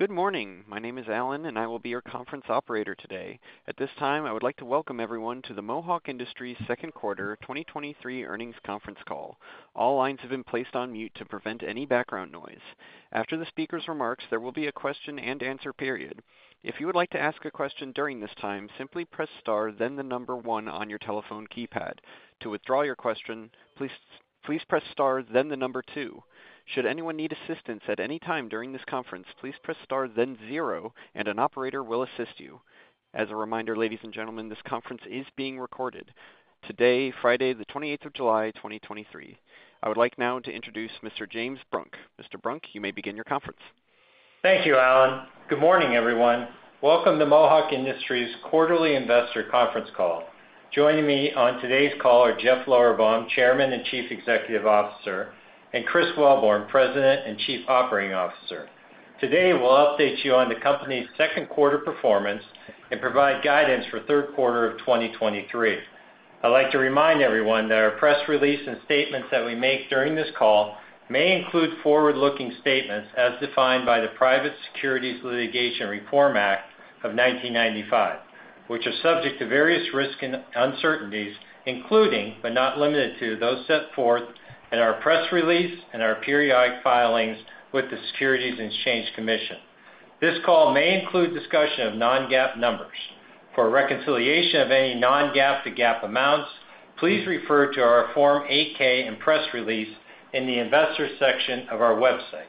Good morning. My name is Alan, and I will be your conference operator today. At this time, I would like to welcome everyone to the Mohawk Industries 2nd Quarter 2023 Earnings Conference Call. All lines have been placed on mute to prevent any background noise. After the speaker's remarks, there will be a question-and-answer period. If you would like to ask a question during this time, simply press Star, then 1 on your telephone keypad. To withdraw your question, please, please press Star, then 2. Should anyone need assistance at any time during this conference, please press Star, then 0, and an operator will assist you. As a reminder, ladies and gentlemen, this conference is being recorded today, Friday, the 28th of July, 2023. I would like now to introduce Mr. James Brunk. Mr. Brunk, you may begin your conference. Thank you, Alan. Good morning, everyone. Welcome to Mohawk Industries Quarterly Investor Conference Call. Joining me on today's call are Jeff Lorberbaum, Chairman and Chief Executive Officer, and Chris Wellborn, President and Chief Operating Officer. Today, we'll update you on the company's second quarter performance and provide guidance for third quarter of 2023. I'd like to remind everyone that our press release and statements that we make during this call may include forward-looking statements as defined by the Private Securities Litigation Reform Act of 1995, which are subject to various risks and uncertainties, including, but not limited to, those set forth in our press release and our periodic filings with the Securities and Exchange Commission. This call may include discussion of non-GAAP numbers. For a reconciliation of any non-GAAP to GAAP amounts, please refer to our Form 8-K and press release in the Investors section of our website.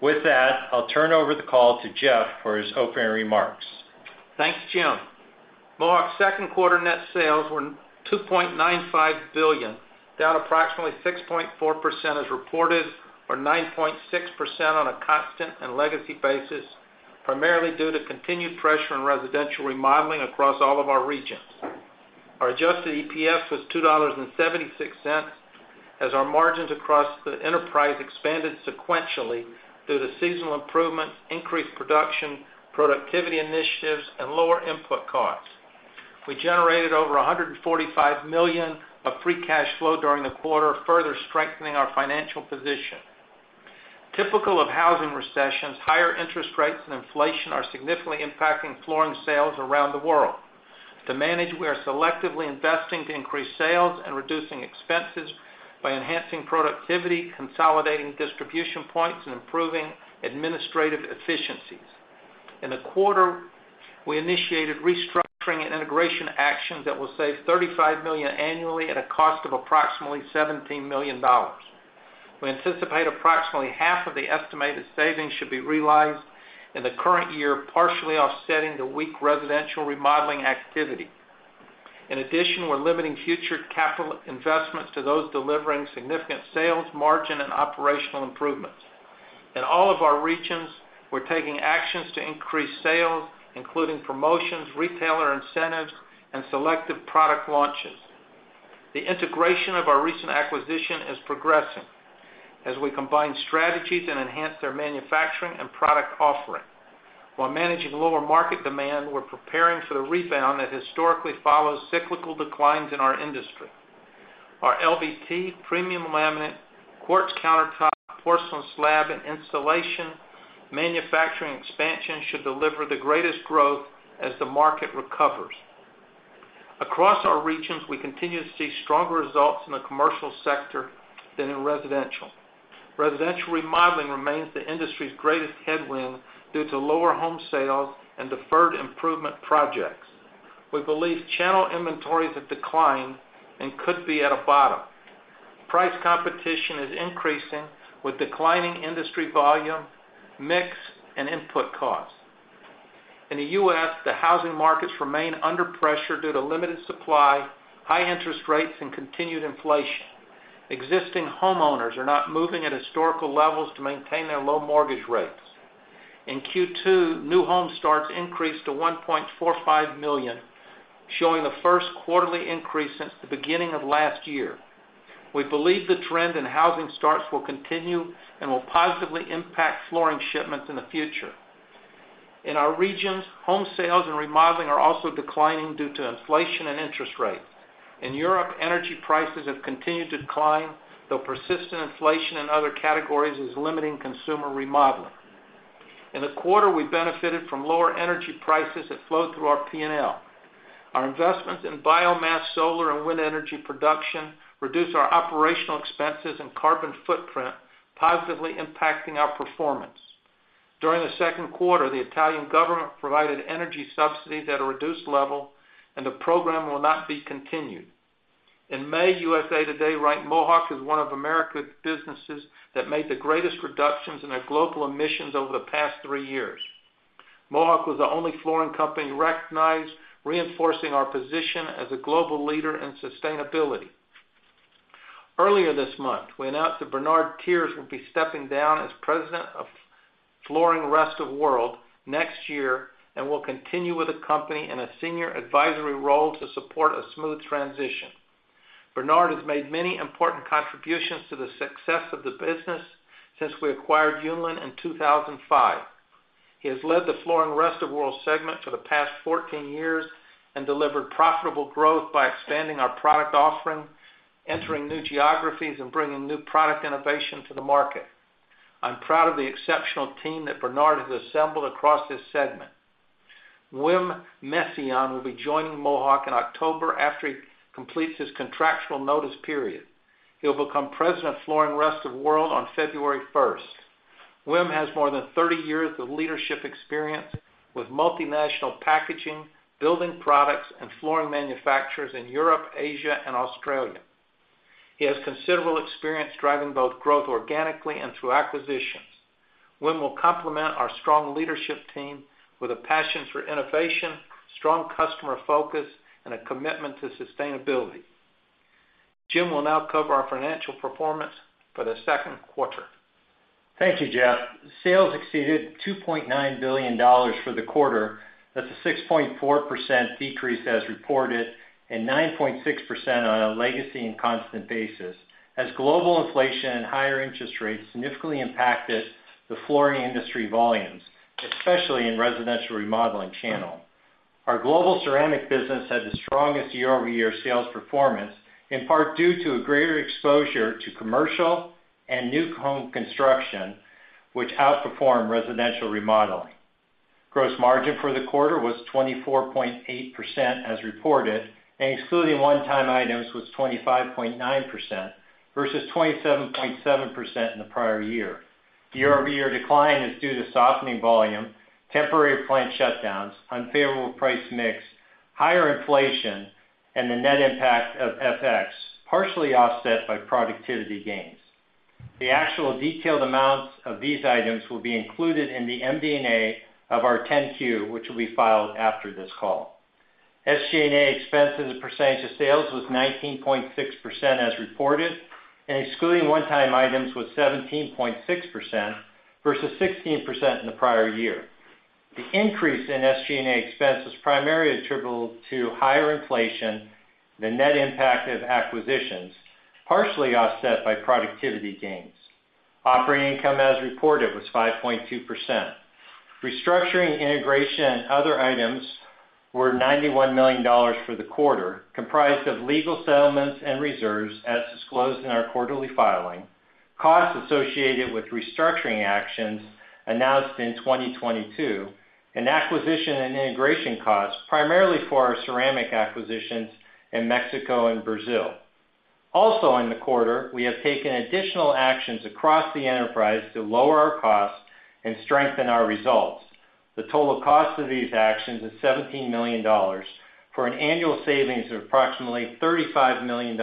With that, I'll turn over the call to Jeff for his opening remarks. Thanks, James. Mohawk's second quarter net sales were $2.95 billion, down approximately 6.4% as reported, or 9.6% on a constant and legacy basis, primarily due to continued pressure in residential remodeling across all of our regions. Our adjusted EPS was $2.76, as our margins across the enterprise expanded sequentially due to seasonal improvements, increased production, productivity initiatives, and lower input costs. We generated over $145 million of free cash flow during the quarter, further strengthening our financial position. Typical of housing recessions, higher interest rates and inflation are significantly impacting flooring sales around the world. To manage, we are selectively investing to increase sales and reducing expenses by enhancing productivity, consolidating distribution points, and improving administrative efficiencies. In the quarter, we initiated restructuring and integration actions that will save $35 million annually at a cost of approximately $17 million. We anticipate approximately half of the estimated savings should be realized in the current year, partially offsetting the weak residential remodeling activity. In addition, we're limiting future capital investments to those delivering significant sales, margin and operational improvements. In all of our regions, we're taking actions to increase sales, including promotions, retailer incentives, and selective product launches. The integration of our recent acquisition is progressing as we combine strategies and enhance their manufacturing and product offering. While managing lower market demand, we're preparing for the rebound that historically follows cyclical declines in our industry. Our LVT, premium laminate, quartz countertop, porcelain slab, and insulation manufacturing expansion should deliver the greatest growth as the market recovers. Across our regions, we continue to see stronger results in the commercial sector than in residential. Residential remodeling remains the industry's greatest headwind due to lower home sales and deferred improvement projects. We believe channel inventories have declined and could be at a bottom. Price competition is increasing, with declining industry volume, mix, and input costs. In the US, the housing markets remain under pressure due to limited supply, high interest rates, and continued inflation. Existing homeowners are not moving at historical levels to maintain their low mortgage rates. In Q2, new home starts increased to 1.45 million, showing the first quarterly increase since the beginning of last year. We believe the trend in housing starts will continue and will positively impact flooring shipments in the future. In our regions, home sales and remodeling are also declining due to inflation and interest rates. In Europe, energy prices have continued to decline, though persistent inflation in other categories is limiting consumer remodeling. In the quarter, we benefited from lower energy prices that flowed through our PNL. Our investments in biomass, solar, and wind energy production reduce our operational expenses and carbon footprint, positively impacting our performance. During the second quarter, the Italian government provided energy subsidies at a reduced level, and the program will not be continued. In May, USA Today ranked Mohawk as one of America's businesses that made the greatest reductions in their global emissions over the past three years. Mohawk was the only flooring company recognized, reinforcing our position as a global leader in sustainability. Earlier this month, we announced that Bernard Thiers will be stepping down as President of Flooring Rest of the World next year and will continue with the company in a senior advisory role to support a smooth transition. Bernard has made many important contributions to the success of the business since we acquired Unilin in 2005. He has led the Flooring Rest of the World segment for the past 14 years and delivered profitable growth by expanding our product offering, entering new geographies, and bringing new product innovation to the market. I'm proud of the exceptional team that Bernard has assembled across this segment. Wim Messiaen will be joining Mohawk in October after he completes his contractual notice period. He'll become President of Flooring Rest of the World on February 1st. Wim has more than 30 years of leadership experience with multinational packaging, building products, and flooring manufacturers in Europe, Asia, and Australia. He has considerable experience driving both growth organically and through acquisitions. Wim will complement our strong leadership team with a passion for innovation, strong customer focus, and a commitment to sustainability. James will now cover our financial performance for the second quarter. Thank you, Jeff. Sales exceeded $2.9 billion for the quarter. That's a 6.4% decrease as reported, and 9.6% on a legacy and constant basis, as global inflation and higher interest rates significantly impacted the flooring industry volumes, especially in residential remodeling channel. Our Global Ceramic business had the strongest year-over-year sales performance, in part due to a greater exposure to commercial and new home construction, which outperformed residential remodeling. Gross margin for the quarter was 24.8% as reported, and excluding one-time items, was 25.9% versus 27.7% in the prior year. The year-over-year decline is due to softening volume, temporary plant shutdowns, unfavorable price mix, higher inflation, and the net impact of FX, partially offset by productivity gains. The actual detailed amounts of these items will be included in the MD&A of our 10-Q, which will be filed after this call. SG&A expense as a percentage of sales was 19.6% as reported, and excluding one-time items, was 17.6% versus 16% in the prior year. The increase in SG&A expense is primarily attributable to higher inflation, the net impact of acquisitions, partially offset by productivity gains. Operating income, as reported, was 5.2%. Restructuring, integration, and other items were $91 million for the quarter, comprised of legal settlements and reserves, as disclosed in our quarterly filing, costs associated with restructuring actions announced in 2022, and acquisition and integration costs, primarily for our ceramic acquisitions in Mexico and Brazil. In the quarter, we have taken additional actions across the enterprise to lower our costs and strengthen our results. The total cost of these actions is $17 million, for an annual savings of approximately $35 million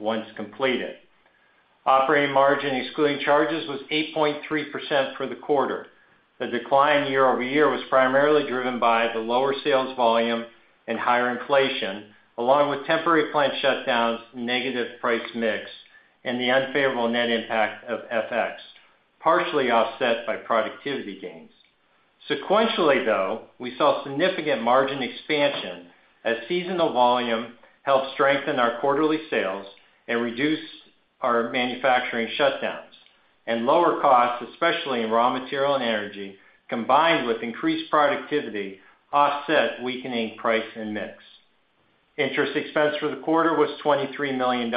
once completed. Operating margin, excluding charges, was 8.3% for the quarter. The decline year-over-year was primarily driven by the lower sales volume and higher inflation, along with temporary plant shutdowns, negative price mix, and the unfavorable net impact of FX, partially offset by productivity gains. Sequentially, though, we saw significant margin expansion as seasonal volume helped strengthen our quarterly sales and reduce our manufacturing shutdowns. Lower costs, especially in raw material and energy, combined with increased productivity, offset weakening price and mix. Interest expense for the quarter was $23 million,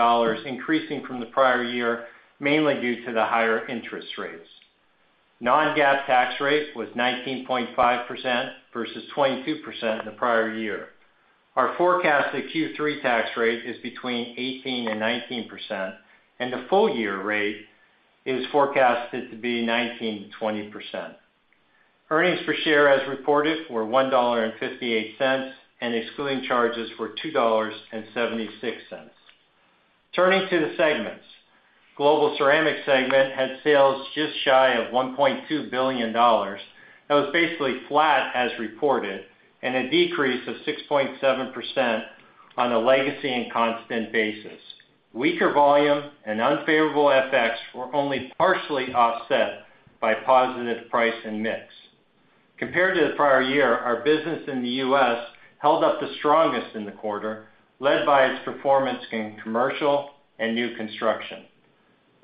increasing from the prior year, mainly due to the higher interest rates. Non-GAAP tax rate was 19.5% versus 22% in the prior year. Our forecasted Q3 tax rate is between 18%-19%, and the full-year rate is forecasted to be 19%-20%. Earnings per share, as reported, were $1.58, and excluding charges, were $2.76. Turning to the segments. Global Ceramic segment had sales just shy of $1.2 billion. That was basically flat as reported, and a decrease of 6.7% on a legacy and constant basis. Weaker volume and unfavorable FX were only partially offset by positive price and mix. Compared to the prior year, our business in the U.S. held up the strongest in the quarter, led by its performance in commercial and new construction.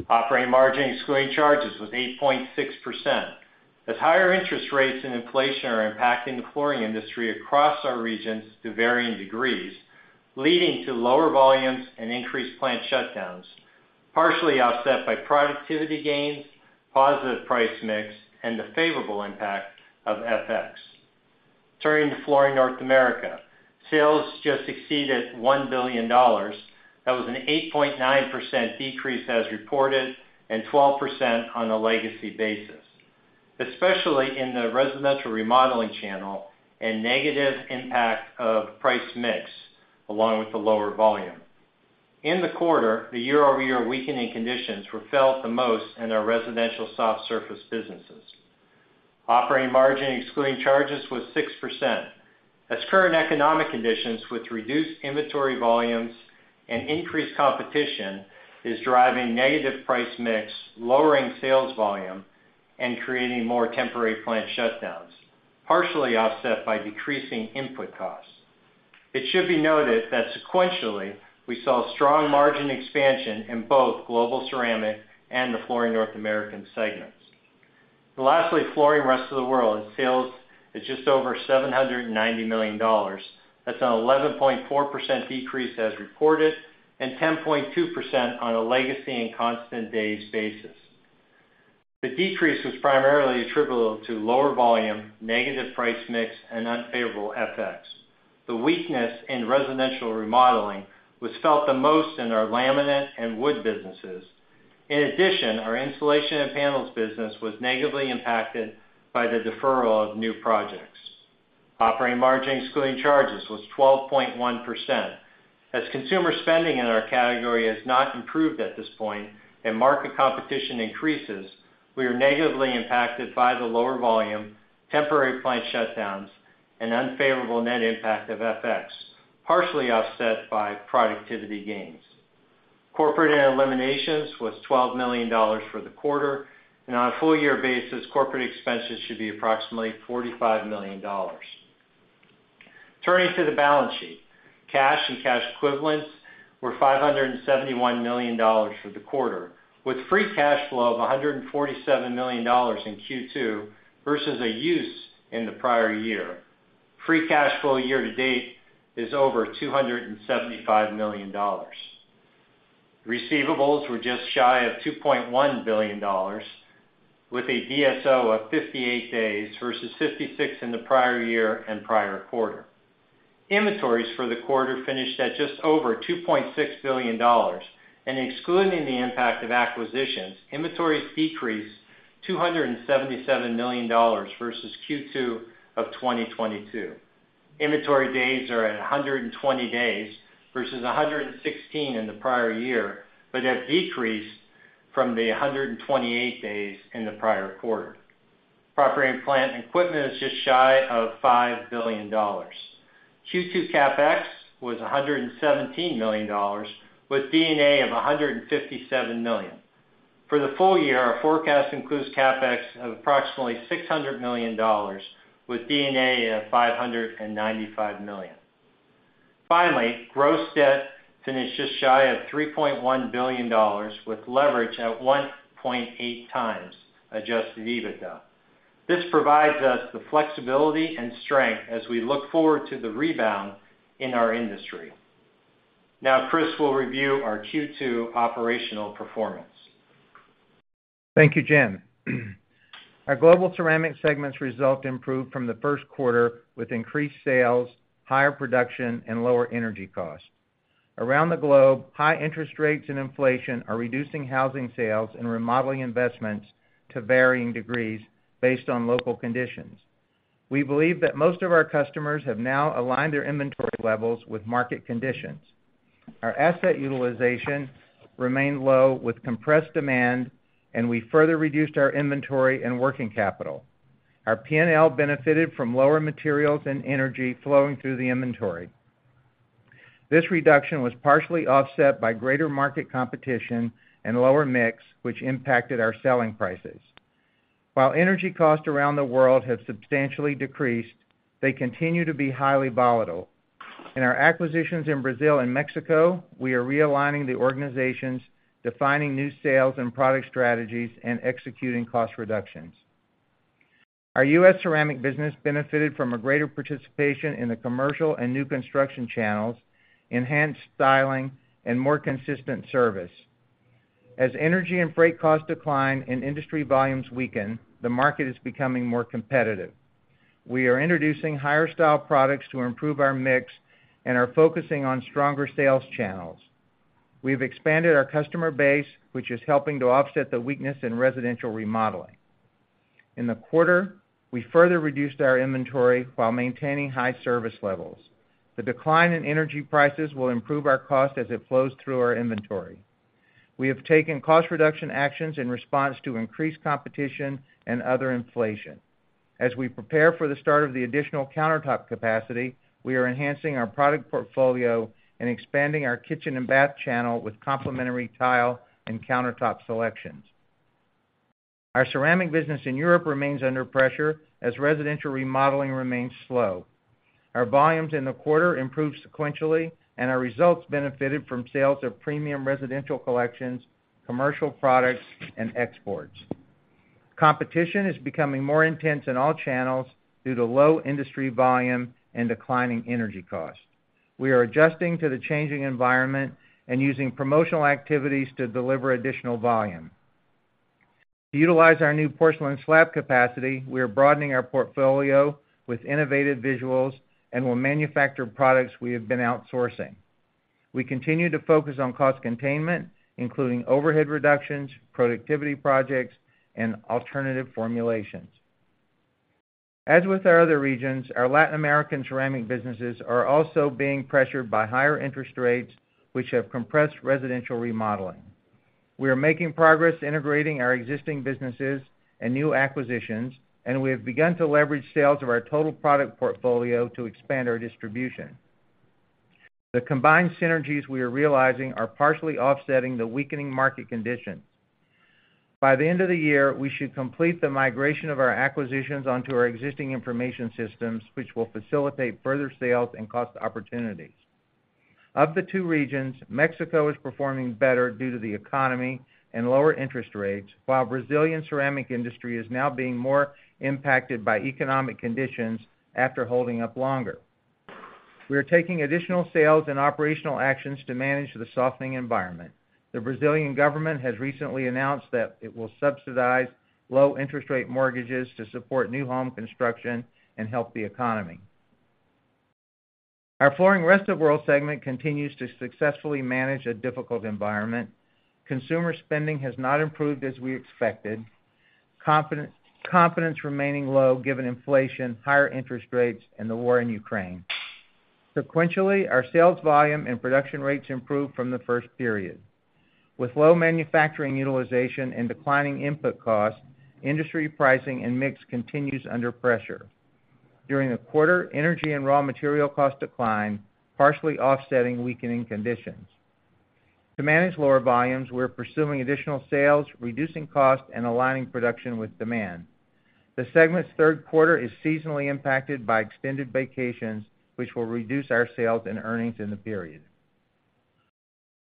Operating margin, excluding charges, was 8.6%, as higher interest rates and inflation are impacting the flooring industry across our regions to varying degrees, leading to lower volumes and increased plant shutdowns, partially offset by productivity gains, positive price mix, and the favorable impact of FX. Turning to Flooring North America. Sales just exceeded $1 billion. That was an 8.9% decrease as reported, and 12% on a legacy basis, especially in the residential remodeling channel and negative impact of price mix, along with the lower volume. In the quarter, the year-over-year weakening conditions were felt the most in our residential soft surface businesses. Operating margin, excluding charges, was 6%, as current economic conditions with reduced inventory volumes and increased competition is driving negative price mix, lowering sales volume, and creating more temporary plant shutdowns, partially offset by decreasing input costs. It should be noted that sequentially, we saw strong margin expansion in both Global Ceramic and the Flooring North America segments. Flooring Rest of the World, its sales is just over $790 million. That's an 11.4% decrease as reported and 10.2% on a legacy and constant base basis. The decrease was primarily attributable to lower volume, negative price mix, and unfavorable FX. The weakness in residential remodeling was felt the most in our laminate and wood businesses. Our insulation and panels business was negatively impacted by the deferral of new projects. Operating margin, excluding charges, was 12.1%. As consumer spending in our category has not improved at this point and market competition increases, we are negatively impacted by the lower volume, temporary plant shutdowns, and unfavorable net impact of FX, partially offset by productivity gains. Corporate and eliminations was $12 million for the quarter. On a full year basis, corporate expenses should be approximately $45 million. Turning to the balance sheet. Cash and cash equivalents were $571 million for the quarter, with free cash flow of $147 million in Q2 versus a use in the prior year. Free cash flow year to date is over $275 million. Receivables were just shy of $2.1 billion, with a DSO of 58 days versus 56 in the prior year and prior quarter. Inventories for the quarter finished at just over $2.6 billion. Excluding the impact of acquisitions, inventories decreased $277 million versus Q2 of 2022. Inventory days are at 120 days versus 116 in the prior year, but have decreased from the 128 days in the prior quarter. Property and plant and equipment is just shy of $5 billion. Q2 CapEx was $117 million, with D&A of $157 million. For the full year, our forecast includes CapEx of approximately $600 million, with D&A of $595 million. Finally, gross debt finished just shy of $3.1 billion, with leverage at 1.8x adjusted EBITDA. This provides us the flexibility and strength as we look forward to the rebound in our industry. Now, Chris will review our Q2 operational performance. Thank you, James. Our Global Ceramic segments result improved from the first quarter, with increased sales, higher production, and lower energy costs. Around the globe, high interest rates and inflation are reducing housing sales and remodeling investments to varying degrees based on local conditions. We believe that most of our customers have now aligned their inventory levels with market conditions. Our asset utilization remained low with compressed demand, and we further reduced our inventory and working capital. Our PNL benefited from lower materials and energy flowing through the inventory. This reduction was partially offset by greater market competition and lower mix, which impacted our selling prices. While energy costs around the world have substantially decreased, they continue to be highly volatile. In our acquisitions in Brazil and Mexico, we are realigning the organizations, defining new sales and product strategies, and executing cost reductions. Our US ceramic business benefited from a greater participation in the commercial and new construction channels, enhanced styling, and more consistent service. As energy and freight costs decline and industry volumes weaken, the market is becoming more competitive. We are introducing higher style products to improve our mix and are focusing on stronger sales channels. We've expanded our customer base, which is helping to offset the weakness in residential remodeling. In the quarter, we further reduced our inventory while maintaining high service levels. The decline in energy prices will improve our cost as it flows through our inventory. We have taken cost reduction actions in response to increased competition and other inflation. As we prepare for the start of the additional countertop capacity, we are enhancing our product portfolio and expanding our kitchen and bath channel with complementary tile and countertop selections. Our ceramic business in Europe remains under pressure as residential remodeling remains slow. Our volumes in the quarter improved sequentially, and our results benefited from sales of premium residential collections, commercial products, and exports. Competition is becoming more intense in all channels due to low industry volume and declining energy costs. We are adjusting to the changing environment and using promotional activities to deliver additional volume. To utilize our new porcelain slab capacity, we are broadening our portfolio with innovative visuals and will manufacture products we have been outsourcing. We continue to focus on cost containment, including overhead reductions, productivity projects, and alternative formulations. As with our other regions, our Latin American ceramic businesses are also being pressured by higher interest rates, which have compressed residential remodeling. We are making progress integrating our existing businesses and new acquisitions, and we have begun to leverage sales of our total product portfolio to expand our distribution. The combined synergies we are realizing are partially offsetting the weakening market conditions. By the end of the year, we should complete the migration of our acquisitions onto our existing information systems, which will facilitate further sales and cost opportunities. Of the two regions, Mexico is performing better due to the economy and lower interest rates, while Brazilian ceramic industry is now being more impacted by economic conditions after holding up longer. We are taking additional sales and operational actions to manage the softening environment. The Brazilian government has recently announced that it will subsidize low interest rate mortgages to support new home construction and help the economy. Our Flooring Rest of World segment continues to successfully manage a difficult environment. Consumer spending has not improved as we expected, confidence remaining low given inflation, higher interest rates, and the war in Ukraine. Sequentially, our sales volume and production rates improved from the first period. With low manufacturing utilization and declining input costs, industry pricing and mix continues under pressure. During the quarter, energy and raw material costs declined, partially offsetting weakening conditions. To manage lower volumes, we're pursuing additional sales, reducing costs, and aligning production with demand. The segment's third quarter is seasonally impacted by extended vacations, which will reduce our sales and earnings in the period.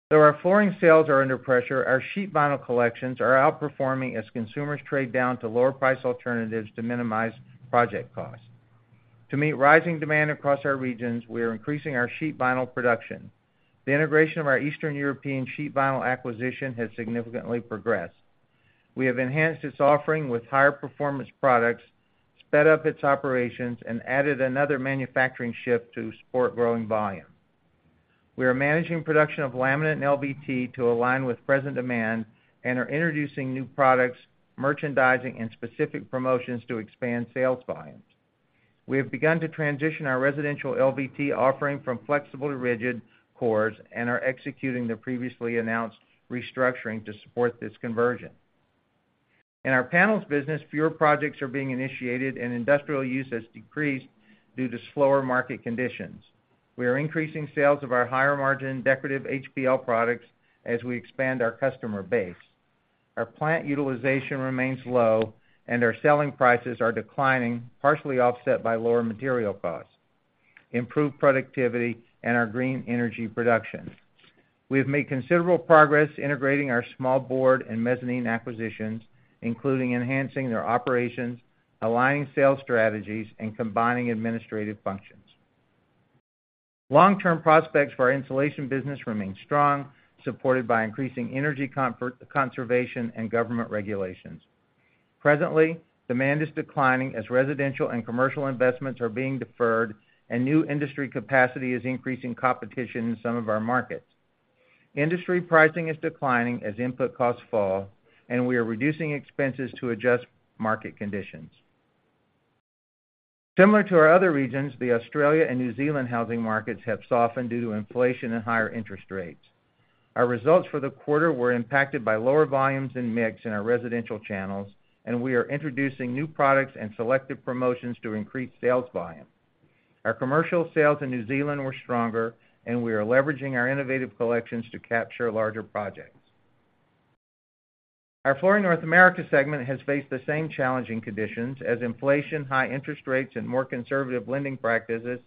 Though our flooring sales are under pressure, our sheet vinyl collections are outperforming as consumers trade down to lower price alternatives to minimize project costs. To meet rising demand across our regions, we are increasing our sheet vinyl production. The integration of our Eastern European sheet vinyl acquisition has significantly progressed. We have enhanced its offering with higher performance products, sped up its operations, and added another manufacturing shift to support growing volume. We are managing production of laminate and LVT to align with present demand and are introducing new products, merchandising, and specific promotions to expand sales volumes. We have begun to transition our residential LVT offering from flexible to rigid cores and are executing the previously announced restructuring to support this conversion. In our panels business, fewer projects are being initiated, and industrial use has decreased due to slower market conditions. We are increasing sales of our higher-margin decorative HPL products as we expand our customer base. Our plant utilization remains low, and our selling prices are declining, partially offset by lower material costs, improved productivity, and our green energy production. We have made considerable progress integrating our small board and mezzanine acquisitions, including enhancing their operations, aligning sales strategies, and combining administrative functions. Long-term prospects for our insulation business remain strong, supported by increasing energy conservation and government regulations. Presently, demand is declining as residential and commercial investments are being deferred and new industry capacity is increasing competition in some of our markets. Industry pricing is declining as input costs fall, and we are reducing expenses to adjust market conditions. Similar to our other regions, the Australia and New Zealand housing markets have softened due to inflation and higher interest rates. Our results for the quarter were impacted by lower volumes and mix in our residential channels, and we are introducing new products and selective promotions to increase sales volume. Our commercial sales in New Zealand were stronger, and we are leveraging our innovative collections to capture larger projects. Our Flooring North America segment has faced the same challenging conditions as inflation, high interest rates, and more conservative lending practices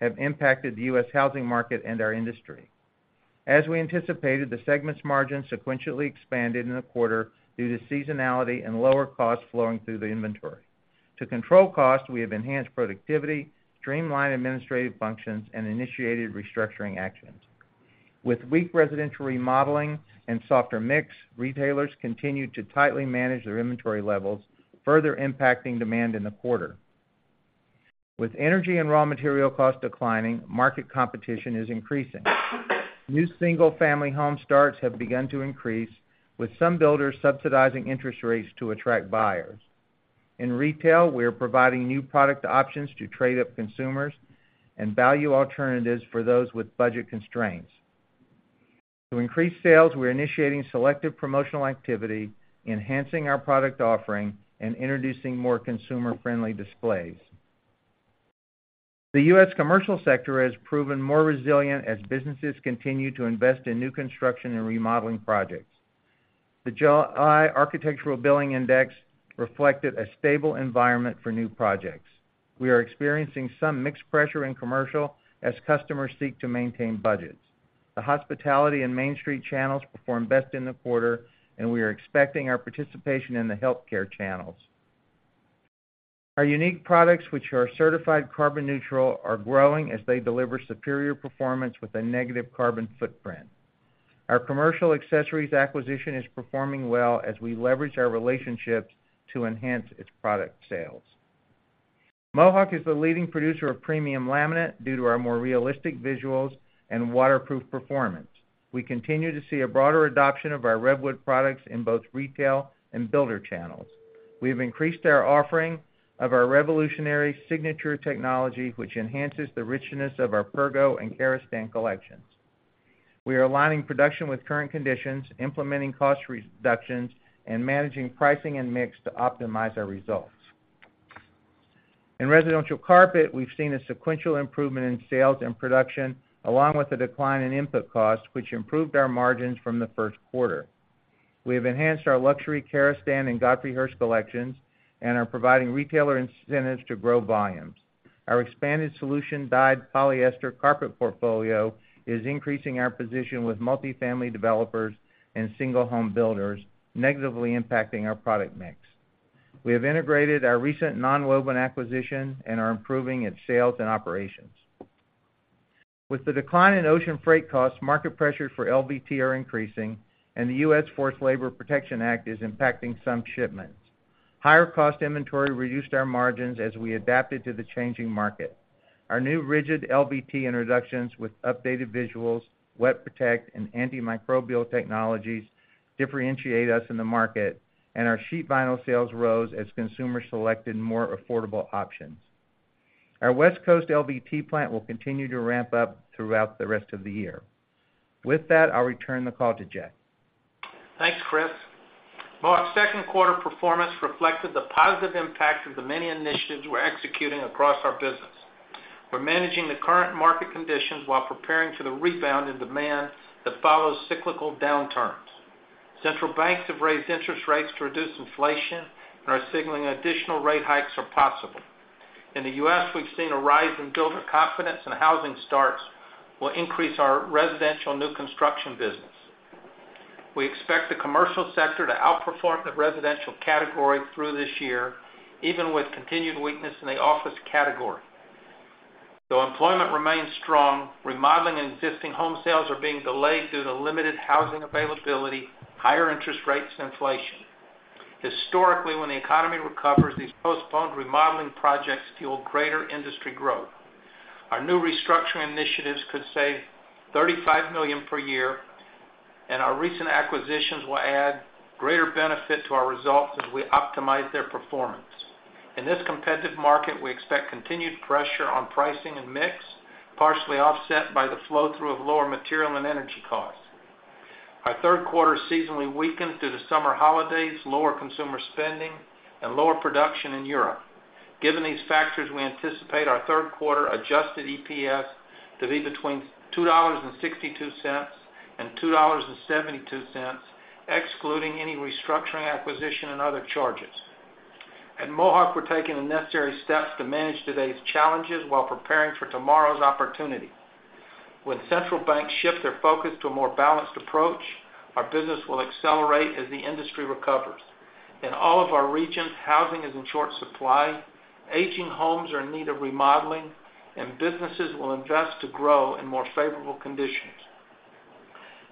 have impacted the US housing market and our industry. As we anticipated, the segment's margin sequentially expanded in the quarter due to seasonality and lower costs flowing through the inventory. To control costs, we have enhanced productivity, streamlined administrative functions, and initiated restructuring actions. With weak residential remodeling and softer mix, retailers continued to tightly manage their inventory levels, further impacting demand in the quarter. With energy and raw material costs declining, market competition is increasing. New single-family home starts have begun to increase, with some builders subsidizing interest rates to attract buyers. In retail, we are providing new product options to trade-up consumers and value alternatives for those with budget constraints. To increase sales, we're initiating selective promotional activity, enhancing our product offering, and introducing more consumer-friendly displays. The U.S. commercial sector has proven more resilient as businesses continue to invest in new construction and remodeling projects. The July Architecture Billings Index reflected a stable environment for new projects. We are experiencing some mixed pressure in commercial as customers seek to maintain budgets. The hospitality and Main Street channels performed best in the quarter, and we are expecting our participation in the healthcare channels. Our unique products, which are certified carbon neutral, are growing as they deliver superior performance with a negative carbon footprint. Our commercial accessories acquisition is performing well as we leverage our relationships to enhance its product sales. Mohawk is the leading producer of premium laminate due to our more realistic visuals and waterproof performance. We continue to see a broader adoption of our RevWood products in both retail and builder channels. We have increased our offering of our revolutionary Signature Technology, which enhances the richness of our Pergo and Karastan collections. We are aligning production with current conditions, implementing cost reductions, and managing pricing and mix to optimize our results. In residential carpet, we've seen a sequential improvement in sales and production, along with a decline in input costs, which improved our margins from the first quarter. We have enhanced our luxury Karastan and Godfrey Hirst collections and are providing retailer incentives to grow volumes. Our expanded solution-dyed polyester carpet portfolio is increasing our position with multifamily developers and single-home builders, negatively impacting our product mix. We have integrated our recent nonwoven acquisition and are improving its sales and operations. With the decline in ocean freight costs, market pressures for LVT are increasing, and the U.S. Forced Labor Protection Act is impacting some shipments. Higher cost inventory reduced our margins as we adapted to the changing market. Our new rigid LVT introductions with updated visuals, WetProtect, and antimicrobial technologies differentiate us in the market, and our sheet vinyl sales rose as consumers selected more affordable options. Our West Coast LVT plant will continue to ramp up throughout the rest of the year. With that, I'll return the call to Jeff. Thanks, Chris. Mohawk's second quarter performance reflected the positive impact of the many initiatives we're executing across our business. We're managing the current market conditions while preparing for the rebound in demand that follows cyclical downturns. Central banks have raised interest rates to reduce inflation and are signaling additional rate hikes are possible. In the U.S., we've seen a rise in builder confidence, and housing starts will increase our residential new construction business. We expect the commercial sector to outperform the residential category through this year, even with continued weakness in the office category. Though employment remains strong, remodeling and existing home sales are being delayed due to limited housing availability, higher interest rates, and inflation. Historically, when the economy recovers, these postponed remodeling projects fuel greater industry growth. Our new restructuring initiatives could save $35 million per year, and our recent acquisitions will add greater benefit to our results as we optimize their performance. In this competitive market, we expect continued pressure on pricing and mix, partially offset by the flow-through of lower material and energy costs. Our third quarter seasonally weakened due to summer holidays, lower consumer spending, and lower production in Europe. Given these factors, we anticipate our third quarter adjusted EPS to be between $2.62 and $2.72, excluding any restructuring, acquisition, and other charges. At Mohawk, we're taking the necessary steps to manage today's challenges while preparing for tomorrow's opportunity. When central banks shift their focus to a more balanced approach, our business will accelerate as the industry recovers. In all of our regions, housing is in short supply, aging homes are in need of remodeling, and businesses will invest to grow in more favorable conditions.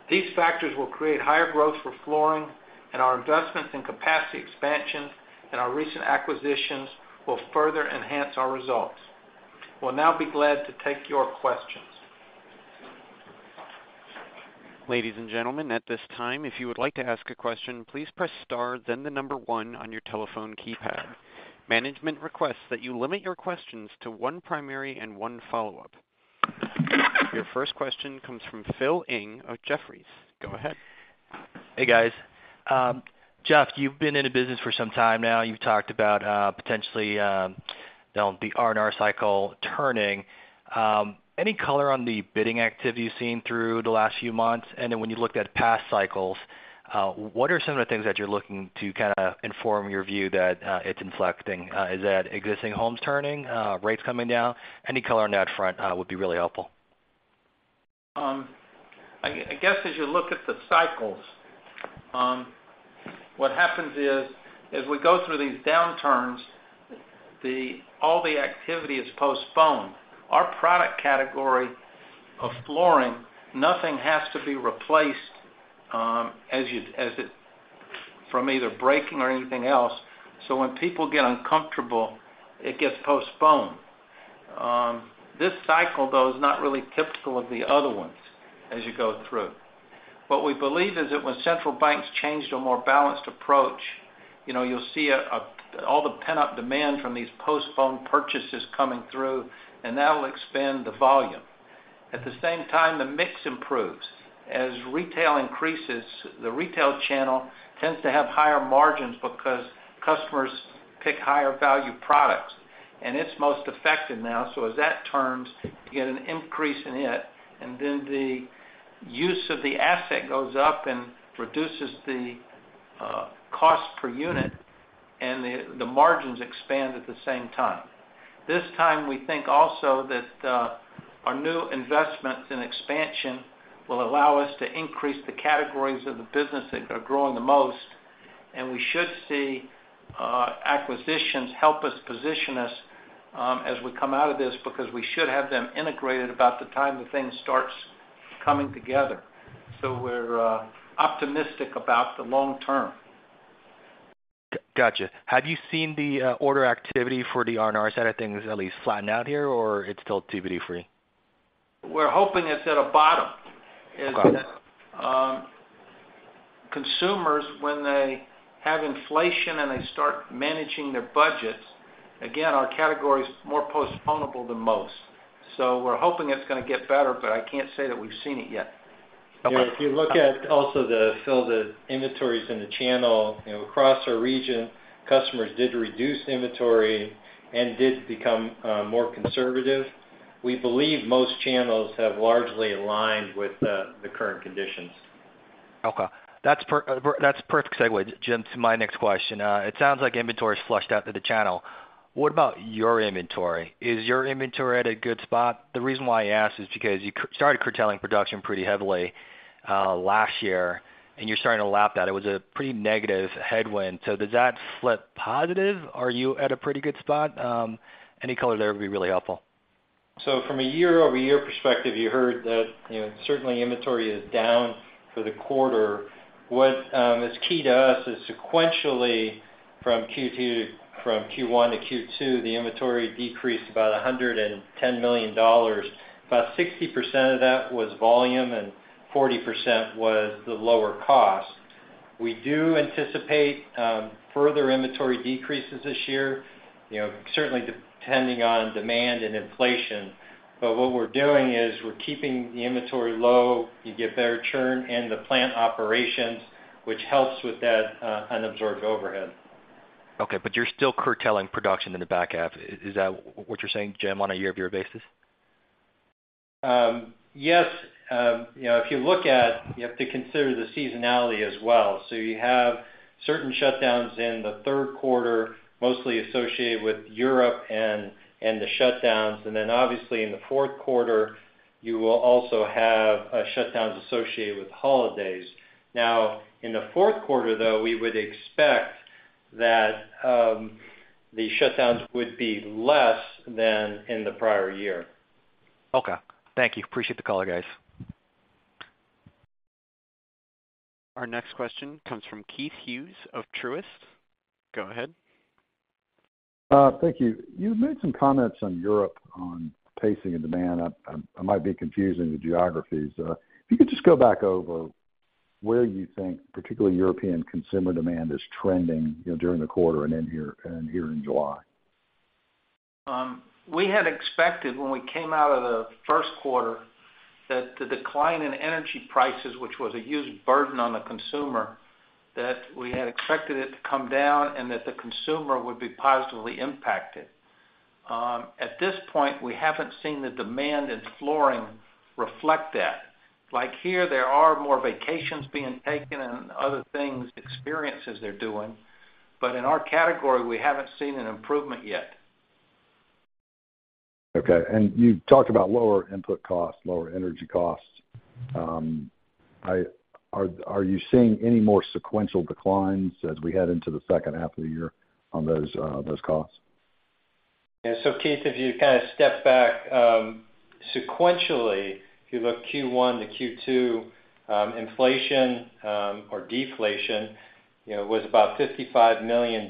These factors will create higher growth for flooring, and our investments in capacity expansion and our recent acquisitions will further enhance our results. We'll now be glad to take your questions. Ladies and gentlemen, at this time, if you would like to ask a question, please press star, then the number 1 on your telephone keypad. Management requests that you limit your questions to 1 primary and 1 follow-up. Your first question comes from Phil Ng of Jefferies. Go ahead. Hey, guys. Jeff, you've been in the business for some time now. You've talked about potentially the R&R cycle turning. Any color on the bidding activity you've seen through the last few months? Then when you looked at past cycles, what are some of the things that you're looking to kinda inform your view that it's inflecting? Is that existing homes turning, rates coming down? Any color on that front would be really helpful. As you look at the cycles, what happens is, as we go through these downturns, all the activity is postponed. Our product category of flooring, nothing has to be replaced, as it, from either breaking or anything else. When people get uncomfortable, it gets postponed. This cycle, though, is not really typical of the other ones as you go through. What we believe is that when central banks change to a more balanced approach, you know, you'll see a, all the pent-up demand from these postponed purchases coming through. That'll expand the volume. At the same time, the mix improves. As retail increases, the retail channel tends to have higher margins because customers pick higher-value products. It's most effective now. As that turns, you get an increase in it, and then the use of the asset goes up and reduces the cost per unit, and the margins expand at the same time. This time, we think also that our new investments in expansion will allow us to increase the categories of the business that are growing the most, and we should see acquisitions help us position us as we come out of this, because we should have them integrated about the time that things starts coming together. We're optimistic about the long term. Gotcha. Have you seen the order activity for the R&R side of things at least flatten out here, or it's still TBD free? We're hoping it's at a bottom. Got it. Consumers, when they have inflation, and they start managing their budgets, again, our category is more postponable than most. We're hoping it's gonna get better, but I can't say that we've seen it yet. If you look at also the, Phil, the inventories in the channel, you know, across our region, customers did reduce inventory and did become, more conservative. We believe most channels have largely aligned with the, the current conditions. Okay. That's that's a perfect segaue, James, to my next question. It sounds like inventory is flushed out to the channel. What about your inventory? Is your inventory at a good spot? The reason why I ask is because you started curtailing production pretty heavily last year, and you're starting to lap that. It was a pretty negative headwind. Does that flip positive? Are you at a pretty good spot? Any color there would be really helpful. From a year-over-year perspective, you heard that, you know, certainly inventory is down for the quarter. What is key to us is sequentially, from Q1 to Q2, the inventory decreased about $110 million. About 60% of that was volume and 40% was the lower cost. We do anticipate further inventory decreases this year, you know, certainly depending on demand and inflation. What we're doing is we're keeping the inventory low. You get better churn in the plant operations, which helps with that unabsorbed overhead. Okay, but you're still curtailing production in the back half. Is that what you're saying, James, on a year-over-year basis? Yes. You know, if you look at, you have to consider the seasonality as well. You have certain shutdowns in the third quarter, mostly associated with Europe and, and the shutdowns. Obviously, in the fourth quarter, you will also have shutdowns associated with holidays. In the fourth quarter, though, we would expect that the shutdowns would be less than in the prior year. Okay. Thank you. Appreciate the call, guys. Our next question comes from Keith Hughes of Truist. Go ahead. Thank you. You've made some comments on Europe on pacing and demand. I, I, I might be confusing the geographies. If you could just go back over where you think, particularly European consumer demand is trending, you know, during the quarter and in here, and here in July. We had expected when we came out of the first quarter, that the decline in energy prices, which was a huge burden on the consumer, that we had expected it to come down and that the consumer would be positively impacted. At this point, we haven't seen the demand in flooring reflect that. Like, here, there are more vacations being taken and other things, experiences they're doing, but in our category, we haven't seen an improvement yet. Okay. You talked about lower input costs, lower energy costs. Are you seeing any more sequential declines as we head into the second half of the year on those costs? Yeah, Keith, if you kind of step back, sequentially, if you look Q1 to Q2, inflation, or deflation, you know, was about $55 million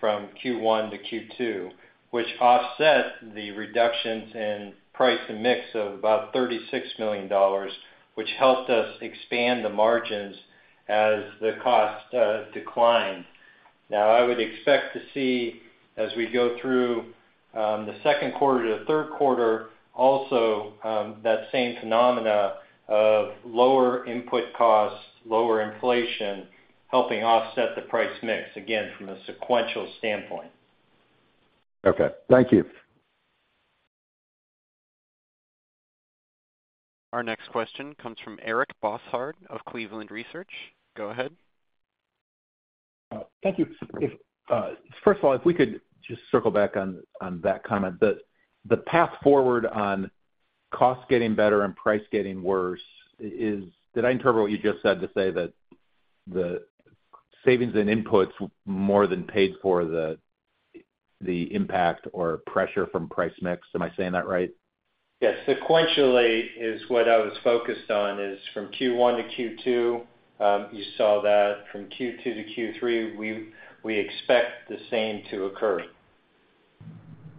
from Q1 to Q2, which offset the reductions in price and mix of about $36 million, which helped us expand the margins as the cost declined. Now, I would expect to see, as we go through, the second quarter to the third quarter, also, that same phenomena of lower input costs, lower inflation, helping offset the price mix, again, from a sequential standpoint. Okay. Thank you. Our next question comes from Eric Bosshard of Cleveland Research. Go ahead. Thank you. If, first of all, if we could just circle back on that comment, the path forward on costs getting better and price getting worse. Did I interpret what you just said to say that the savings and inputs more than paid for the impact or pressure from price mix? Am I saying that right? Yes. Sequentially is what I was focused on, is from Q1 to Q2, you saw that from Q2 to Q3, we, we expect the same to occur.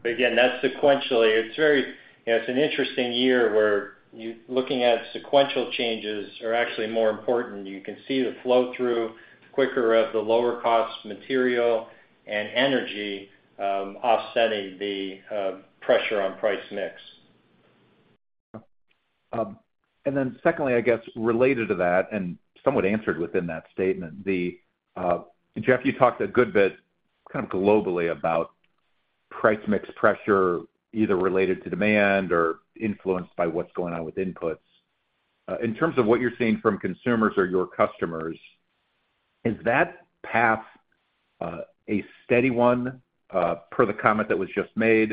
Again, that's sequentially. It's very... You know, it's an interesting year where looking at sequential changes are actually more important. You can see the flow-through quicker of the lower cost, material, and energy, offsetting the pressure on price mix. Then secondly, I guess, related to that, and somewhat answered within that statement, the, Jeff, you talked a good bit, kind of globally, about price mix pressure, either related to demand or influenced by what's going on with inputs. In terms of what you're seeing from consumers or your customers, is that path, a steady one, per the comment that was just made?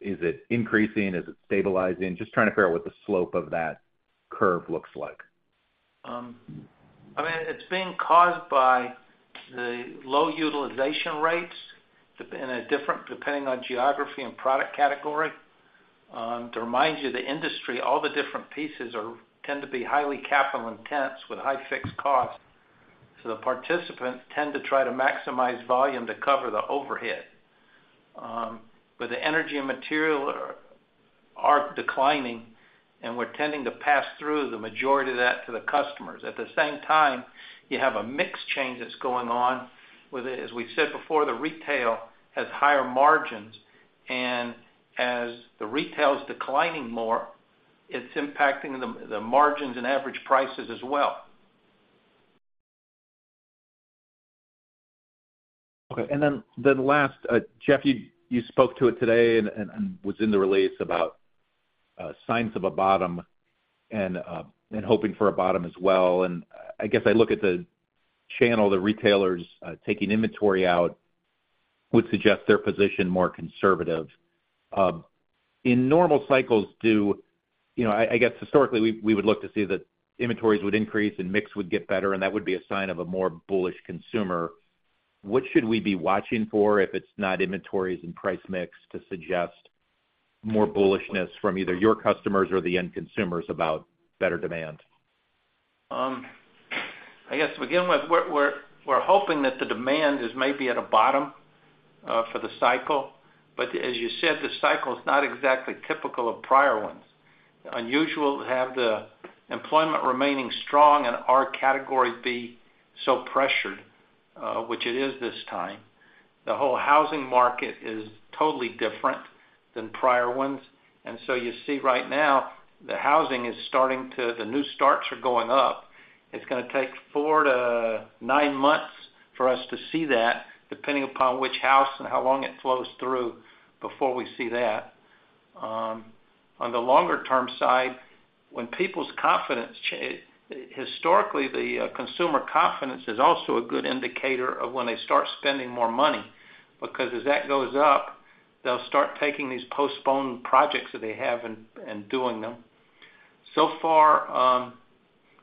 Is it increasing? Is it stabilizing? Just trying to figure out what the slope of that curve looks like. I mean, it's being caused by the low utilization rates, depending on geography and product category. To remind you, the industry, all the different pieces are, tend to be highly capital intense with high fixed costs, so the participants tend to try to maximize volume to cover the overhead. The energy and material are, are declining, and we're tending to pass through the majority of that to the customers. At the same time, you have a mix change that's going on with it. As we said before, the retail has higher margins, and as the retail is declining more, it's impacting the, the margins and average prices as well. Okay, then, then last, Jeff, you, you spoke to it today and, and, and was in the release about signs of a bottom and, and hoping for a bottom as well. I, I guess I look at the channel, the retailers, taking inventory out, would suggest their position more conservative. In normal cycles, you know, I, I guess historically, we, we would look to see that inventories would increase and mix would get better, and that would be a sign of a more bullish consumer. What should we be watching for if it's not inventories and price mix to suggest more bullishness from either your customers or the end consumers about better demand? I guess to begin with, we're, we're, we're hoping that the demand is maybe at a bottom for the cycle. As you said, the cycle is not exactly typical of prior ones. Unusual to have the employment remaining strong and our category be so pressured, which it is this time. The whole housing market is totally different than prior ones. You see right now, the housing is starting to, the new starts are going up. It's gonna take 4-9 months for us to see that, depending upon which house and how long it flows through before we see that. On the longer-term side, when people's confidence historically, the consumer confidence is also a good indicator of when they start spending more money, because as that goes up, they'll start taking these postponed projects that they have and, and doing them. So far,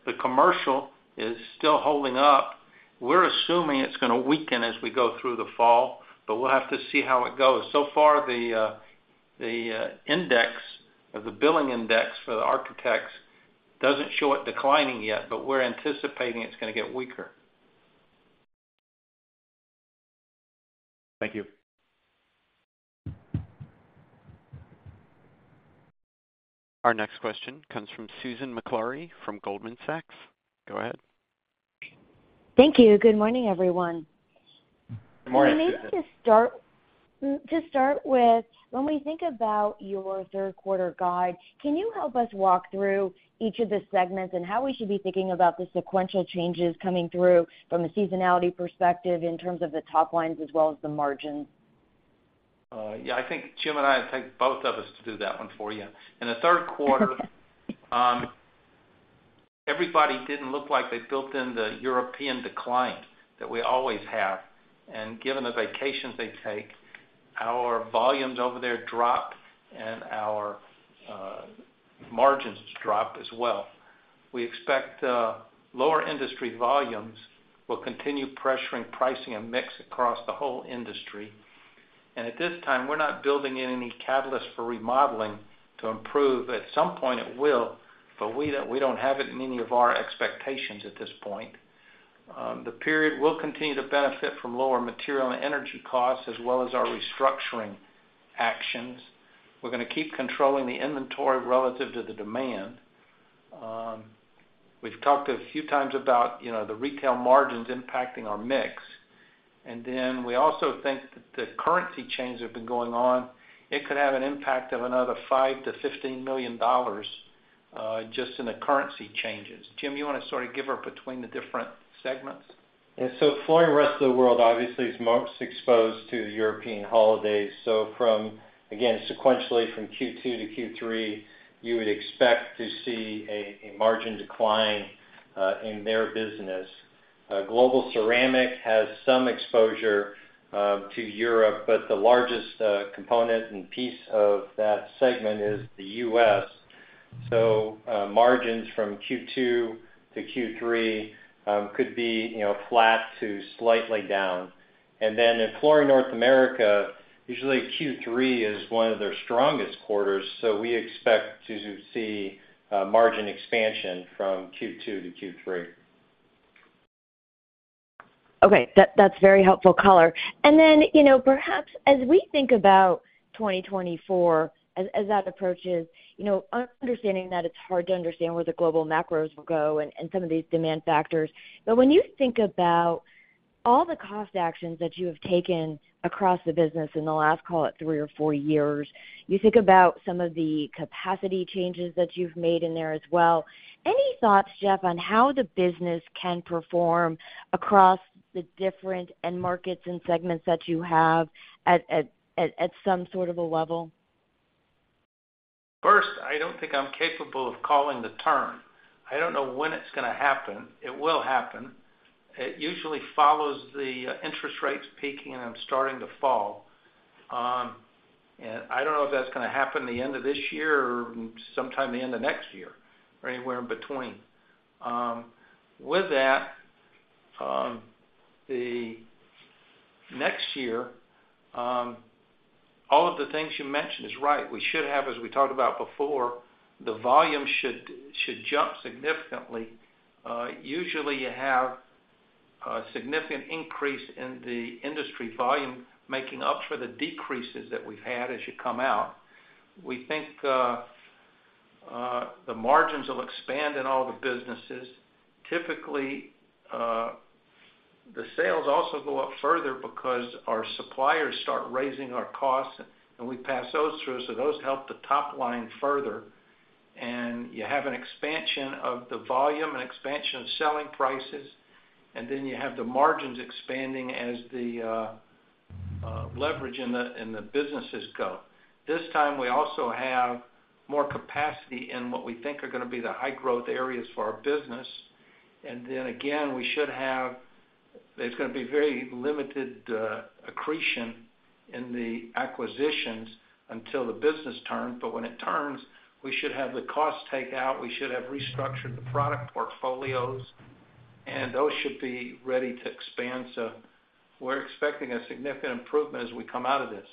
the commercial is still holding up. We're assuming it's gonna weaken as we go through the fall, we'll have to see how it goes. So far, the, the index, or the billing index for the architects doesn't show it declining yet, but we're anticipating it's gonna get weaker. Thank you. Our next question comes from Susan Maklari from Goldman Sachs. Go ahead. Thank you. Good morning, everyone. Good morning, Susan. Maybe to start with, when we think about your third quarter guide, can you help us walk through each of the segments and how we should be thinking about the sequential changes coming through from a seasonality perspective in terms of the top lines as well as the margins? Yeah, I think James and I, I think both of us to do that one for you. In the third quarter, everybody didn't look like they built in the European decline that we always have. Given the vacations they take, our volumes over there dropped, and our margins dropped as well. We expect lower industry volumes will continue pressuring pricing and mix across the whole industry. At this time, we're not building in any catalyst for remodeling to improve. At some point, it will, but we don't, we don't have it in any of our expectations at this point. The period will continue to benefit from lower material and energy costs, as well as our restructuring actions. We're gonna keep controlling the inventory relative to the demand. We've talked a few times about, you know, the retail margins impacting our mix. We also think that the currency changes have been going on, it could have an impact of another $5 million-$15 million, just in the currency changes. James, you want to sort of give her between the different segments? Flooring Rest of the World, obviously, is most exposed to the European holidays. From, again, sequentially from Q2 to Q3, you would expect to see a, a margin decline in their business. Global Ceramic has some exposure to Europe, but the largest component and piece of that segment is the US. Margins from Q2 to Q3 could be, you know, flat to slightly down. Then in Flooring North America, usually Q3 is 1 of their strongest quarters, so we expect to, to see margin expansion from Q2 to Q3. Okay, that, that's very helpful color. Then, you know, perhaps as we think about 2024, as, as that approaches, you know, understanding that it's hard to understand where the global macros will go and, and some of these demand factors. When you think about all the cost actions that you have taken across the business in the last, call it, 3 or 4 years, you think about some of the capacity changes that you've made in there as well. Any thoughts, Jeff, on how the business can perform across the different end markets and segments that you have at some sort of a level? First, I don't think I'm capable of calling the turn. I don't know when it's gonna happen. It will happen. It usually follows the interest rates peaking and then starting to fall. I don't know if that's gonna happen the end of this year or sometime the end of next year, or anywhere in between. With that, the next year, all of the things you mentioned is right. We should have, as we talked about before, the volume should, should jump significantly. Usually, you have a significant increase in the industry volume, making up for the decreases that we've had as you come out. We think the margins will expand in all the businesses. Typically, the sales also go up further because our suppliers start raising our costs, and we pass those through, so those help the top line further. You have an expansion of the volume, an expansion of selling prices, then you have the margins expanding as the leverage in the businesses go. This time, we also have more capacity in what we think are going to be the high-growth areas for our business. Then again, we should have. There's going to be very limited accretion in the acquisitions until the business turns. When it turns, we should have the costs take out, we should have restructured the product portfolios, and those should be ready to expand. We're expecting a significant improvement as we come out of this.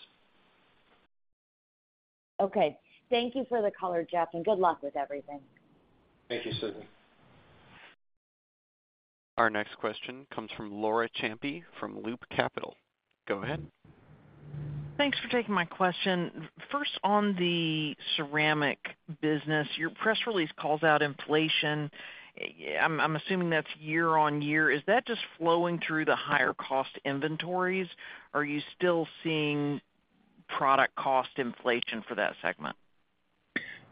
Okay. Thank you for the color, Jeff, and good luck with everything. Thank you, Susan. Our next question comes from Laura Champine from Loop Capital. Go ahead. Thanks for taking my question. First, on the ceramic business, your press release calls out inflation. I'm assuming that's year on year. Is that just flowing through the higher cost inventories? Are you still seeing product cost inflation for that segment?